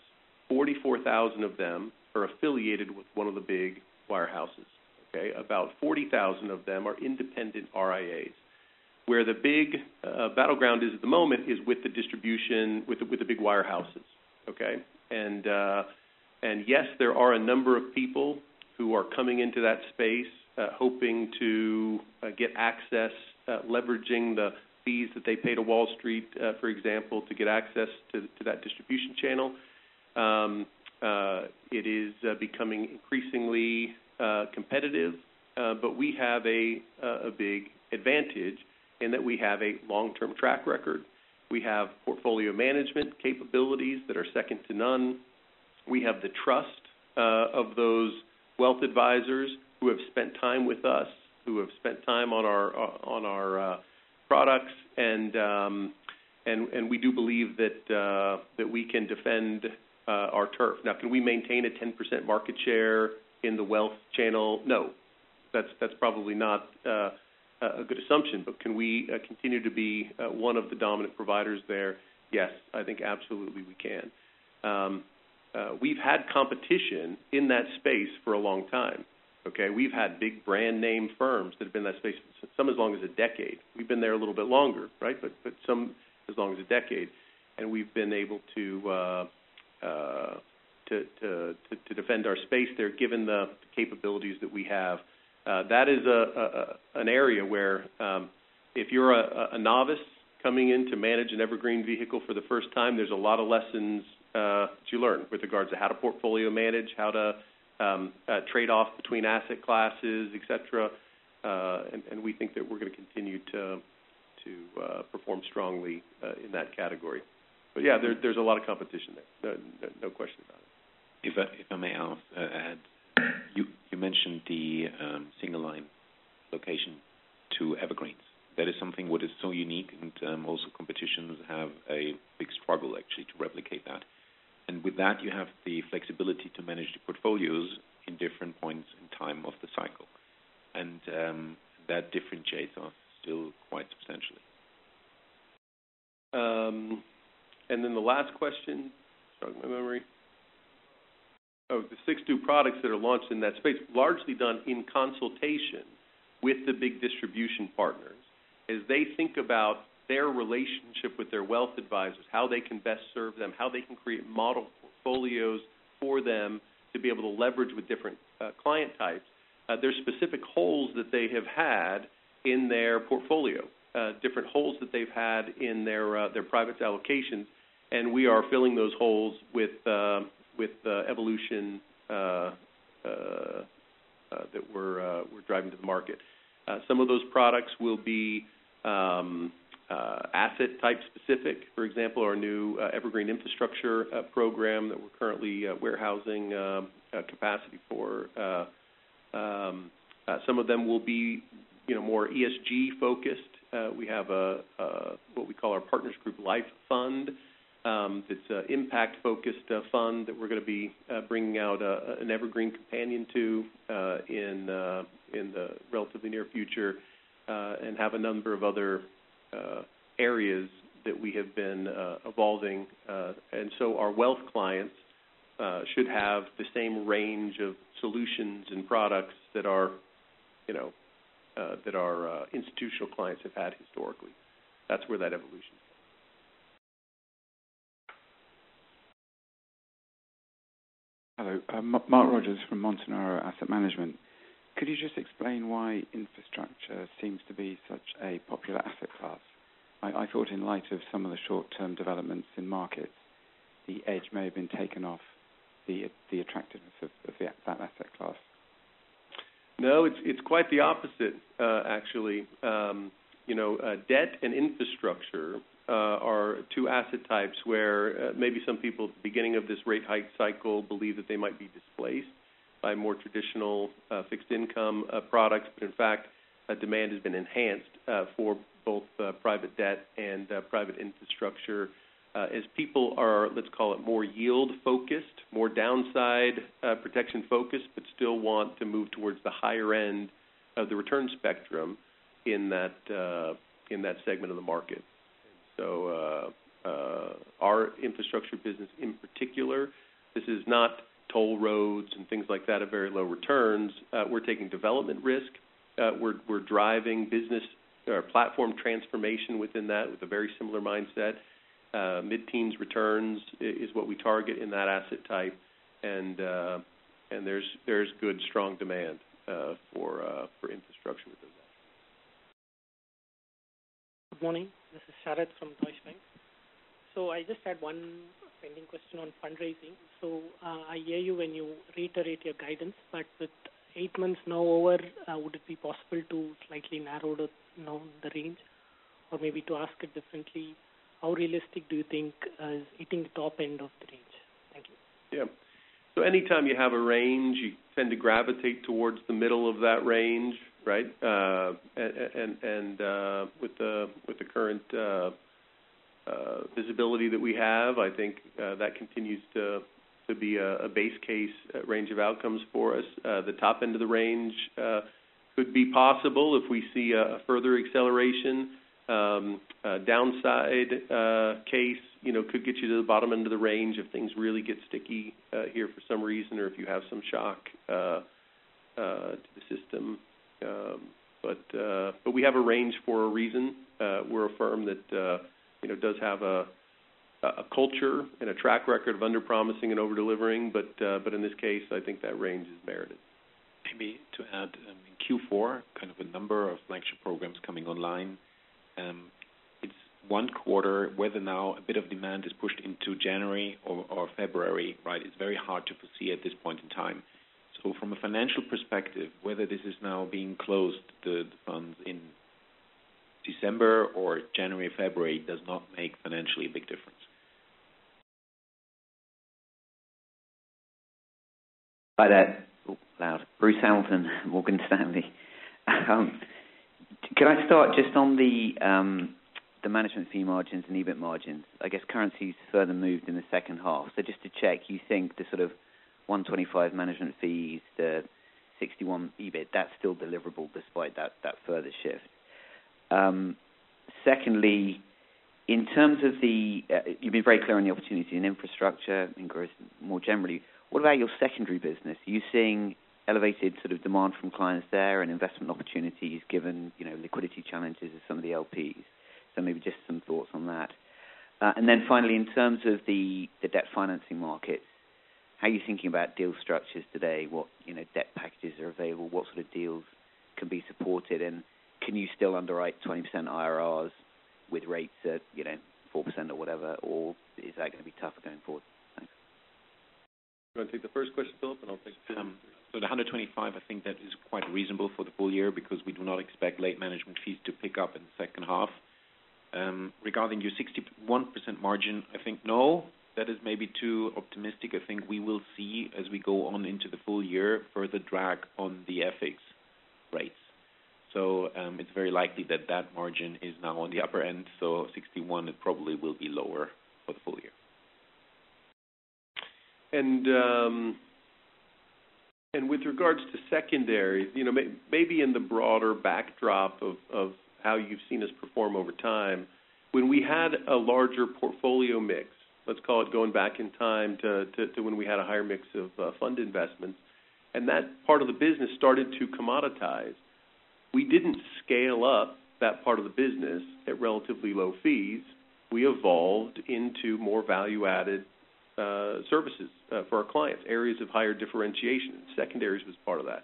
44,000 of them are affiliated with one of the big wirehouses, okay? About 40,000 of them are independent RIAs. Where the big battleground is at the moment is with the distribution, with the big wirehouses, okay? And yes, there are a number of people who are coming into that space, hoping to get access, leveraging the fees that they pay to Wall Street, for example, to get access to that distribution channel. It is becoming increasingly competitive, but we have a big advantage in that we have a long-term track record. We have portfolio management capabilities that are second to none. We have the trust of those wealth advisors who have spent time with us, who have spent time on our products. And we do believe that we can defend our turf. Now, can we maintain a 10% market share in the wealth channel? No, that's probably not a good assumption. But can we continue to be one of the dominant providers there? Yes, I think absolutely we can. We've had competition in that space for a long time, okay? We've had big brand name firms that have been in that space, some as long as a decade. We've been there a little bit longer, right? But some as long as a decade, and we've been able to defend our space there, given the capabilities that we have. That is an area where, if you're a novice coming in to manage an Evergreen vehicle for the first time, there's a lot of lessons to learn with regards to how to portfolio manage, how to trade off between asset classes, et cetera. And we think that we're going to continue to perform strongly in that category. But, yeah, there's a lot of competition there. No question about it. If I, if I may ask, add. You, you mentioned the, single line allocation to evergreens. That is something what is so unique, and, also competitors have a big struggle actually to replicate that. And with that, you have the flexibility to manage the portfolios in different points in time of the cycle. And, that differentiates us still quite substantially. Then the last question, sorry, my memory. Oh, the six new products that are launched in that space, largely done in consultation with the big distribution partners. As they think about their relationship with their wealth advisors, how they can best serve them, how they can create model portfolios for them to be able to leverage with different client types, there's specific holes that they have had in their portfolio, different holes that they've had in their private allocations, and we are filling those holes with the evolution that we're driving to the market. Some of those products will be asset type specific. For example, our new Evergreen infrastructure program that we're currently warehousing capacity for. Some of them will be, you know, more ESG focused. We have a what we call our Partners Group Life Fund. It's an impact-focused fund that we're going to be bringing out an Evergreen companion to in the relatively near future, and have a number of other areas that we have been evolving. And so our wealth clients should have the same range of solutions and products that our, you know, that our institutional clients have had historically. That's where that evolution is. Hello, Mark Rogers from Montanaro Asset Management. Could you just explain why infrastructure seems to be such a popular asset class? I thought in light of some of the short-term developments in markets, the edge may have been taken off the attractiveness of that asset class. No, it's quite the opposite, actually. You know, debt and infrastructure are two asset types where maybe some people at the beginning of this rate hike cycle believed that they might be displaced... by more traditional fixed income products. But in fact, demand has been enhanced for both private debt and private infrastructure as people are, let's call it, more yield-focused, more downside protection-focused, but still want to move towards the higher end of the return spectrum in that segment of the market. So, our infrastructure business in particular, this is not toll roads and things like that, are very low returns. We're taking development risk. We're driving business or platform transformation within that with a very similar mindset. Mid-teens returns is what we target in that asset type. There's good, strong demand for infrastructure within that. Good morning, this is Sharad from Deutsche Bank. So I just had one pending question on fundraising. So, I hear you when you reiterate your guidance, but with eight months now over, would it be possible to slightly narrow the, you know, the range? Or maybe to ask it differently, how realistic do you think, is hitting the top end of the range? Thank you. Yeah. So anytime you have a range, you tend to gravitate towards the middle of that range, right? And with the current visibility that we have, I think that continues to be a base case range of outcomes for us. The top end of the range could be possible if we see a further acceleration. A downside case, you know, could get you to the bottom end of the range if things really get sticky here for some reason, or if you have some shock to the system. But we have a range for a reason. We're a firm that, you know, does have a culture and a track record of underpromising and over-delivering, but in this case, I think that range is merited. Maybe to add in Q4, kind of a number of flagship programs coming online. It's one quarter, whether now a bit of demand is pushed into January or February, right? It's very hard to foresee at this point in time. So from a financial perspective, whether this is now being closed, the funds in December or January, February, does not make financially a big difference. Hi there. Bruce Hamilton, Morgan Stanley. Can I start just on the, the management fee margins and EBIT margins? I guess currency's further moved in the H2. So just to check, you think the sort of 125 management fees, the 61 EBIT, that's still deliverable despite that, that further shift. Secondly, in terms of the, you've been very clear on the opportunity in infrastructure and growth more generally. What about your secondary business? Are you seeing elevated sort of demand from clients there and investment opportunities given, you know, liquidity challenges of some of the LPs? So maybe just some thoughts on that. And then finally, in terms of the, the debt financing markets, how are you thinking about deal structures today? What, you know, debt packages are available? What sort of deals can be supported? Can you still underwrite 20% IRRs with rates at, you know, 4% or whatever, or is that gonna be tougher going forward? Thanks. Do you want to take the first question, Philipp, and I'll take the second? So the 125, I think that is quite reasonable for the full year because we do not expect late management fees to pick up in the H2. Regarding your 61% margin, I think no, that is maybe too optimistic. I think we will see as we go on into the full year, further drag on the FX rates. So, it's very likely that that margin is now on the upper end, so 61, it probably will be lower for the full year. With regards to secondary, you know, maybe in the broader backdrop of how you've seen us perform over time, when we had a larger portfolio mix, let's call it going back in time to when we had a higher mix of fund investments, and that part of the business started to commoditize, we didn't scale up that part of the business at relatively low fees. We evolved into more value-added services for our clients, areas of higher differentiation. Secondaries was part of that.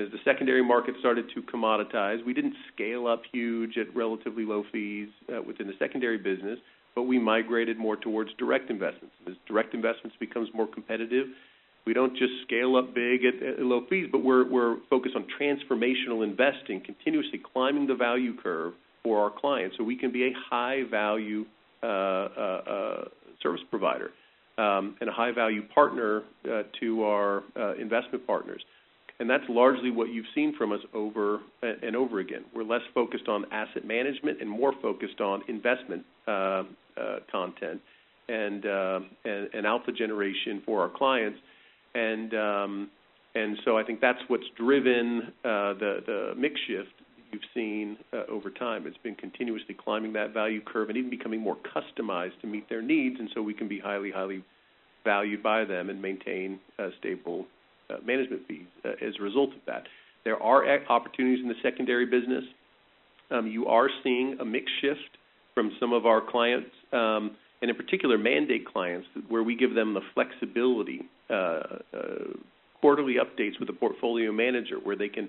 As the secondary market started to commoditize, we didn't scale up huge at relatively low fees within the secondary business, but we migrated more towards direct investments. As direct investments becomes more competitive, we don't just scale up big at low fees, but we're focused on transformational investing, continuously climbing the value curve for our clients, so we can be a high-value service provider and a high-value partner to our investment partners. And that's largely what you've seen from us over and over again. We're less focused on asset management and more focused on investment content and alpha generation for our clients. And so I think that's what's driven the mix shift you've seen over time. It's been continuously climbing that value curve and even becoming more customized to meet their needs, and so we can be highly valued by them and maintain stable management fees as a result of that. There are opportunities in the secondary business. You are seeing a mix shift from some of our clients, and in particular, mandate clients, where we give them the flexibility, quarterly updates with a portfolio manager, where they can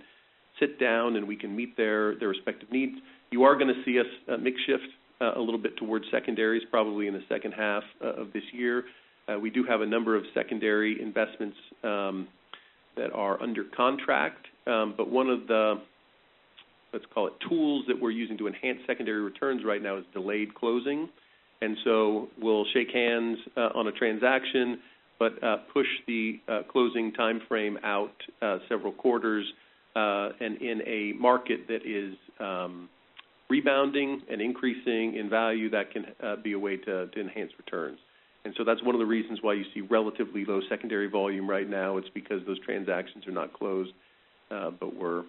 sit down and we can meet their, their respective needs. You are gonna see us mix shift a little bit towards secondaries, probably in the H2 of this year. We do have a number of secondary investments that are under contract. But one of the, let's call it tools that we're using to enhance secondary returns right now is delayed closing. And so we'll shake hands on a transaction, but push the closing time frame out several quarters. In a market that is rebounding and increasing in value, that can be a way to enhance returns. So that's one of the reasons why you see relatively low secondary volume right now; it's because those transactions are not closed, but we're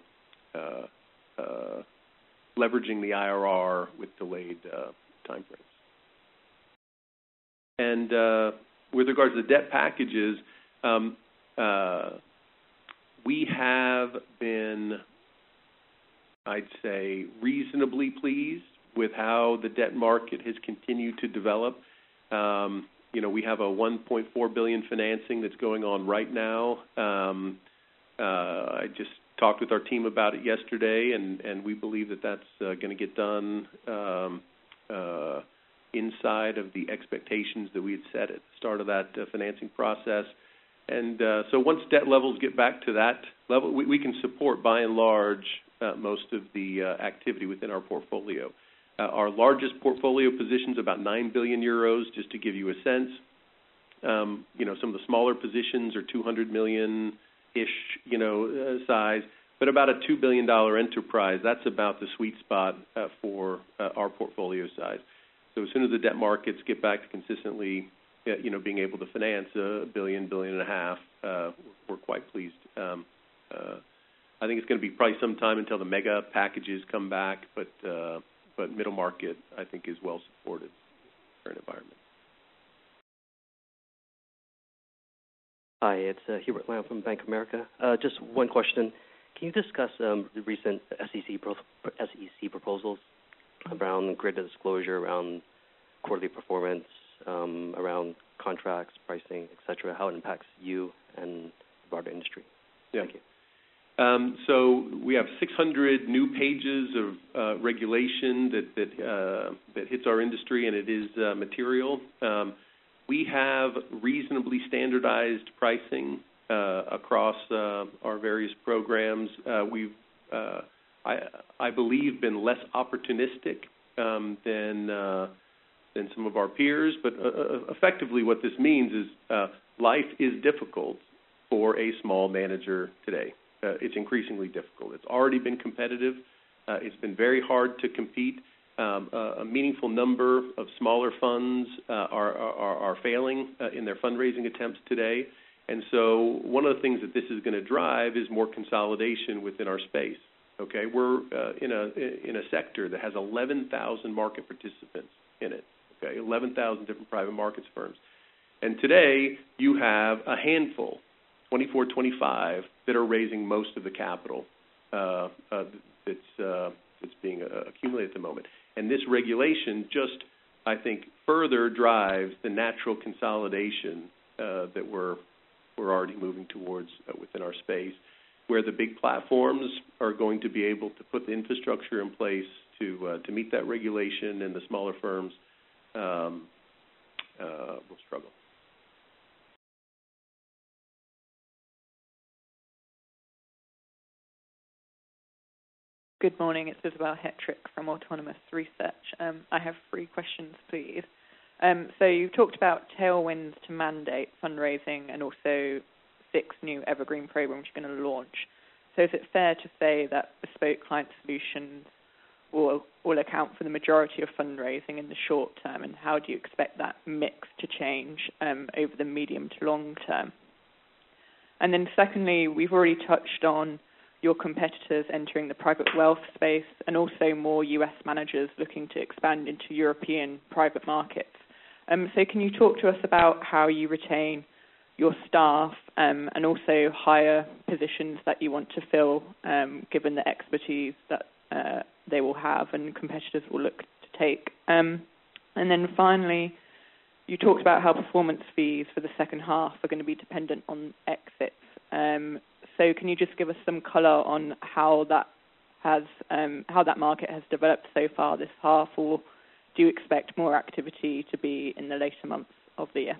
leveraging the IRR with delayed time frames. With regards to the debt packages, we have been, I'd say, reasonably pleased with how the debt market has continued to develop. You know, we have a $1.4 billion financing that's going on right now. I just talked with our team about it yesterday, and we believe that that's gonna get done inside of the expectations that we had set at the start of that financing process. So once debt levels get back to that level, we, we can support, by and large, most of the activity within our portfolio. Our largest portfolio position is about 9 billion euros, just to give you a sense. You know, some of the smaller positions are 200 million-ish, you know, size, but about a $2 billion enterprise. That's about the sweet spot, for our portfolio size. So as soon as the debt markets get back to consistently, you know, being able to finance 1 billion-1.5 billion, we're quite pleased. I think it's gonna be probably some time until the mega packages come back, but, but middle market, I think, is well supported in the current environment. Hi, it's Hubert Lam from Bank of America. Just one question. Can you discuss the recent SEC proposals around greater disclosure, around quarterly performance, around contracts, pricing, et cetera, how it impacts you and the broader industry? Yeah. Thank you. So we have 600 new pages of regulation that hits our industry, and it is material. We have reasonably standardized pricing across our various programs. We've, I believe, been less opportunistic than some of our peers. But effectively, what this means is life is difficult for a small manager today. It's increasingly difficult. It's already been competitive. It's been very hard to compete. A meaningful number of smaller funds are failing in their fundraising attempts today. And so one of the things that this is gonna drive is more consolidation within our space, okay? We're in a sector that has 11,000 market participants in it, okay? 11,000 different private markets firms. Today, you have a handful, 24, 25, that are raising most of the capital that's being accumulated at the moment. This regulation just, I think, further drives the natural consolidation that we're already moving towards within our space, where the big platforms are going to be able to put the infrastructure in place to meet that regulation, and the smaller firms will struggle. Good morning. It's Isabelle Hetrick from Autonomous Research. I have three questions, please. So you've talked about tailwinds to mandate fundraising and also six new evergreen programs you're gonna launch. So is it fair to say that bespoke client solutions will, will account for the majority of fundraising in the short term? And how do you expect that mix to change over the medium to long term? And then secondly, we've already touched on your competitors entering the private wealth space and also more U.S. managers looking to expand into European private markets. So can you talk to us about how you retain your staff and also hire positions that you want to fill given the expertise that they will have and competitors will look to take? And then finally, you talked about how performance fees for the H2 are gonna be dependent on exits. So can you just give us some color on how that market has developed so far this half, or do you expect more activity to be in the later months of the year?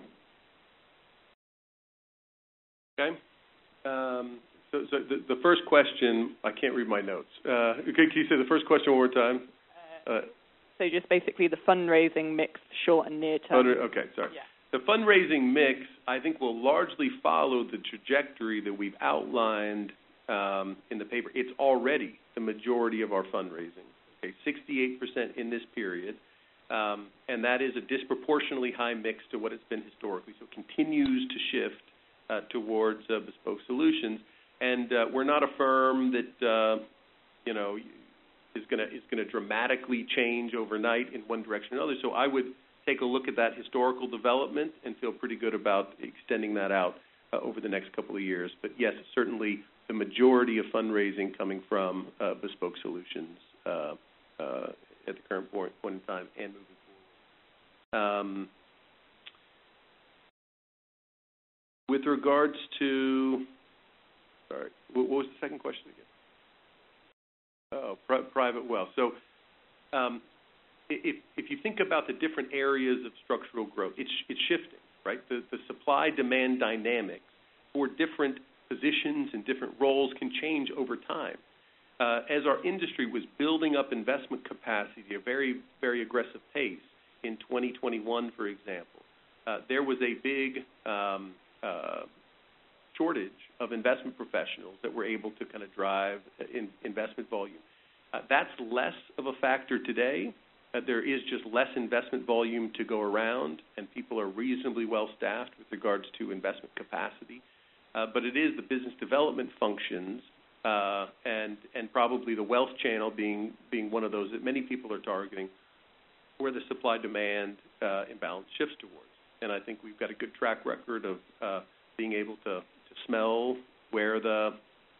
Okay. So the first question... I can't read my notes. Can you say the first question one more time? So just basically the fundraising mix, short and near term. Oh, okay. Sorry. Yeah. The fundraising mix, I think, will largely follow the trajectory that we've outlined in the paper. It's already the majority of our fundraising. Okay? 68% in this period, and that is a disproportionately high mix to what it's been historically. So it continues to shift towards bespoke solutions. And, we're not a firm that, you know, is gonna, is gonna dramatically change overnight in one direction or another. So I would take a look at that historical development and feel pretty good about extending that out over the next couple of years. But yes, certainly the majority of fundraising coming from bespoke solutions at the current point in time and moving forward. With regards to... Sorry, what, what was the second question again? Oh, private wealth. So-... If you think about the different areas of structural growth, it's shifting, right? The supply-demand dynamics for different positions and different roles can change over time. As our industry was building up investment capacity at a very, very aggressive pace in 2021, for example, there was a big shortage of investment professionals that were able to kind of drive investment volume. That's less of a factor today, that there is just less investment volume to go around, and people are reasonably well staffed with regards to investment capacity. But it is the business development functions, and probably the wealth channel being one of those that many people are targeting, where the supply-demand imbalance shifts towards. And I think we've got a good track record of being able to smell where the,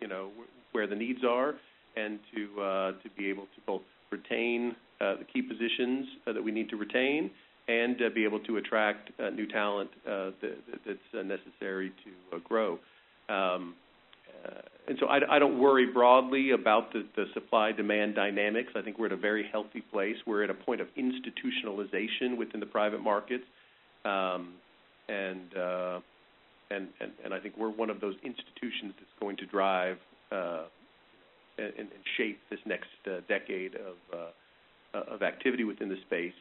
you know, where the needs are, and to be able to both retain the key positions that we need to retain and to be able to attract new talent that that's necessary to grow. And so I don't worry broadly about the supply-demand dynamics. I think we're at a very healthy place. We're at a point of institutionalization within the private markets. And I think we're one of those institutions that's going to drive and shape this next decade of activity within the space.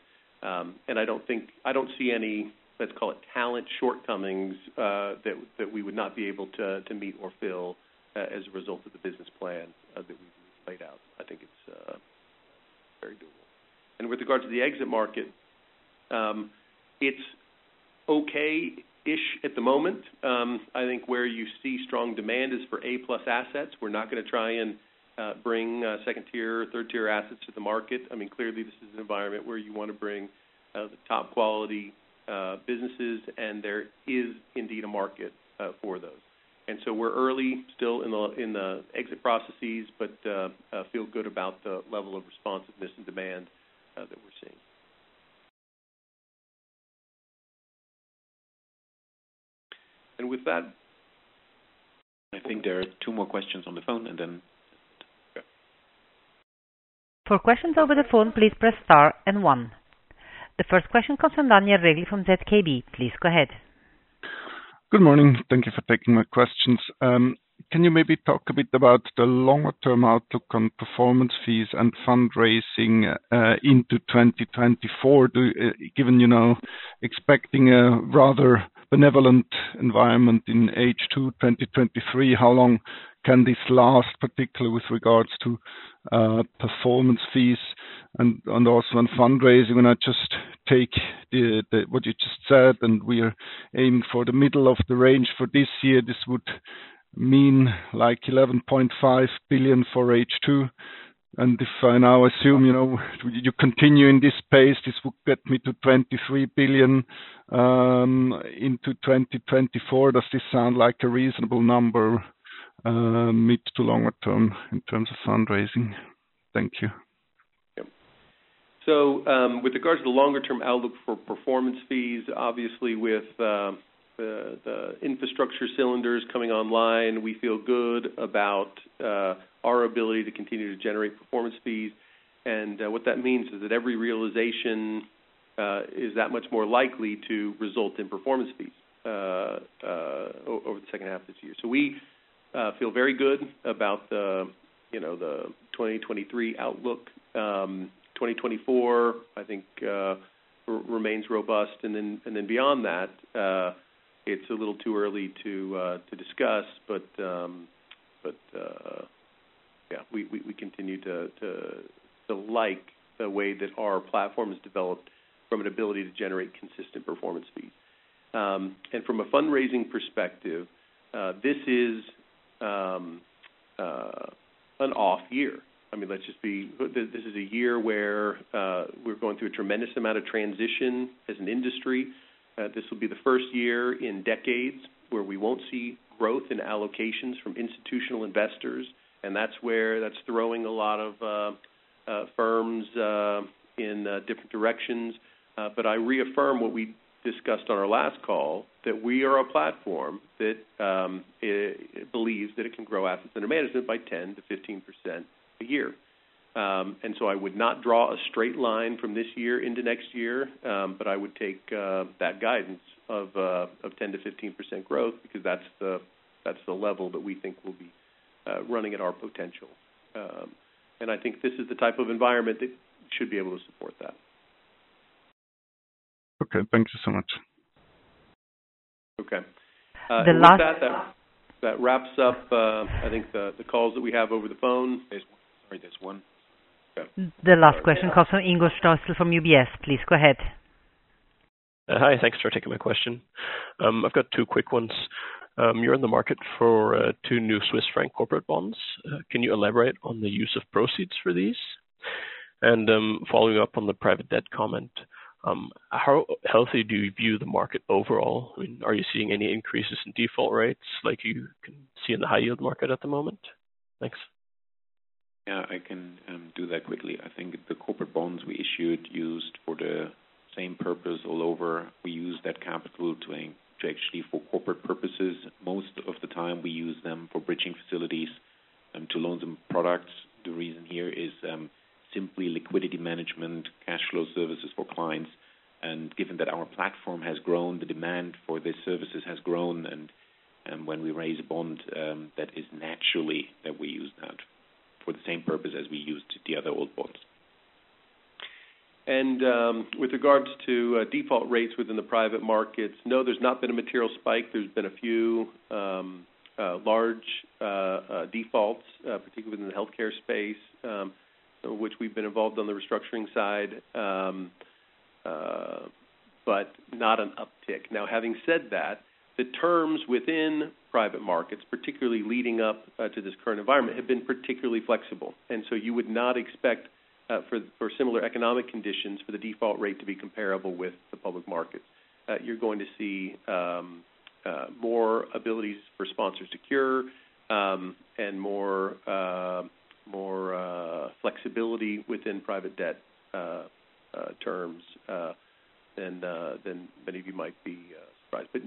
And I don't think... I don't see any, let's call it, talent shortcomings that we would not be able to meet or fill as a result of the business plan that we've laid out. I think it's very doable. And with regards to the exit market, it's okay-ish at the moment. I think where you see strong demand is for A-plus assets. We're not gonna try and bring second-tier or third-tier assets to the market. I mean, clearly, this is an environment where you want to bring the top quality businesses, and there is indeed a market for those. And so we're early still in the exit processes, but feel good about the level of responsiveness and demand that we're seeing. With that, I think there are two more questions on the phone, and then, yeah. For questions over the phone, please press star and one. The first question comes from Daniel Regli from ZKB. Please go ahead. Good morning. Thank you for taking my questions. Can you maybe talk a bit about the longer-term outlook on performance fees and fundraising into 2024? Do-- given, you know, expecting a rather benevolent environment in H2 2023, how long can this last, particularly with regards to performance fees and also on fundraising? When I just take the what you just said, and we are aiming for the middle of the range for this year, this would mean, like, $11.5 billion for H2. And if I now assume, you know, you continue in this pace, this would get me to $23 billion into 2024. Does this sound like a reasonable number mid to longer term in terms of fundraising? Thank you. Yep. So, with regards to the longer term outlook for performance fees, obviously with the infrastructure cylinders coming online, we feel good about our ability to continue to generate performance fees. And what that means is that every realization is that much more likely to result in performance fees over the H2 of this year. So we feel very good about the, you know, the 2023 outlook. 2024, I think, remains robust, and then beyond that, it's a little too early to discuss. But yeah, we continue to like the way that our platform has developed from an ability to generate consistent performance fees. And from a fundraising perspective, this is an off year. I mean, let's just be—this is a year where we're going through a tremendous amount of transition as an industry. This will be the first year in decades where we won't see growth in allocations from institutional investors, and that's where—that's throwing a lot of firms in different directions. But I reaffirm what we discussed on our last call, that we are a platform that believes that it can grow assets under management by 10%-15% a year. And so I would not draw a straight line from this year into next year, but I would take that guidance of 10%-15% growth, because that's the level that we think will be running at our potential. I think this is the type of environment that should be able to support that. Okay, thank you so much. Okay. The last- With that, that wraps up, I think the calls that we have over the phone. Sorry, there's one. Okay. The last question comes from Ingo Stauss from UBS. Please go ahead. Hi, thanks for taking my question. I've got two quick ones. You're in the market for two new Swiss franc corporate bonds. Can you elaborate on the use of proceeds for these? And, following up on the private debt comment, how healthy do you view the market overall? Are you seeing any increases in default rates like you can see in the high yield market at the moment? Thanks. Yeah, I can do that quickly. I think the corporate bonds we issued used for the same purpose all over. We use that capital to actually for corporate purposes. Most of the time we use them for bridging facilities and to loan them products. The reason here is simply liquidity management, cash flow services for clients, and given that our platform has grown, the demand for these services has grown, and when we raise a bond, that is naturally that we use that for the same purpose as we used the other old bonds. With regards to default rates within the private markets, no, there's not been a material spike. There's been a few large defaults, particularly in the healthcare space, which we've been involved on the restructuring side, but not an uptick. Now, having said that, the terms within private markets, particularly leading up to this current environment, have been particularly flexible, and so you would not expect, for similar economic conditions, for the default rate to be comparable with the public markets. You're going to see more abilities for sponsors to cure, and more flexibility within private debt terms than many of you might be surprised. But no-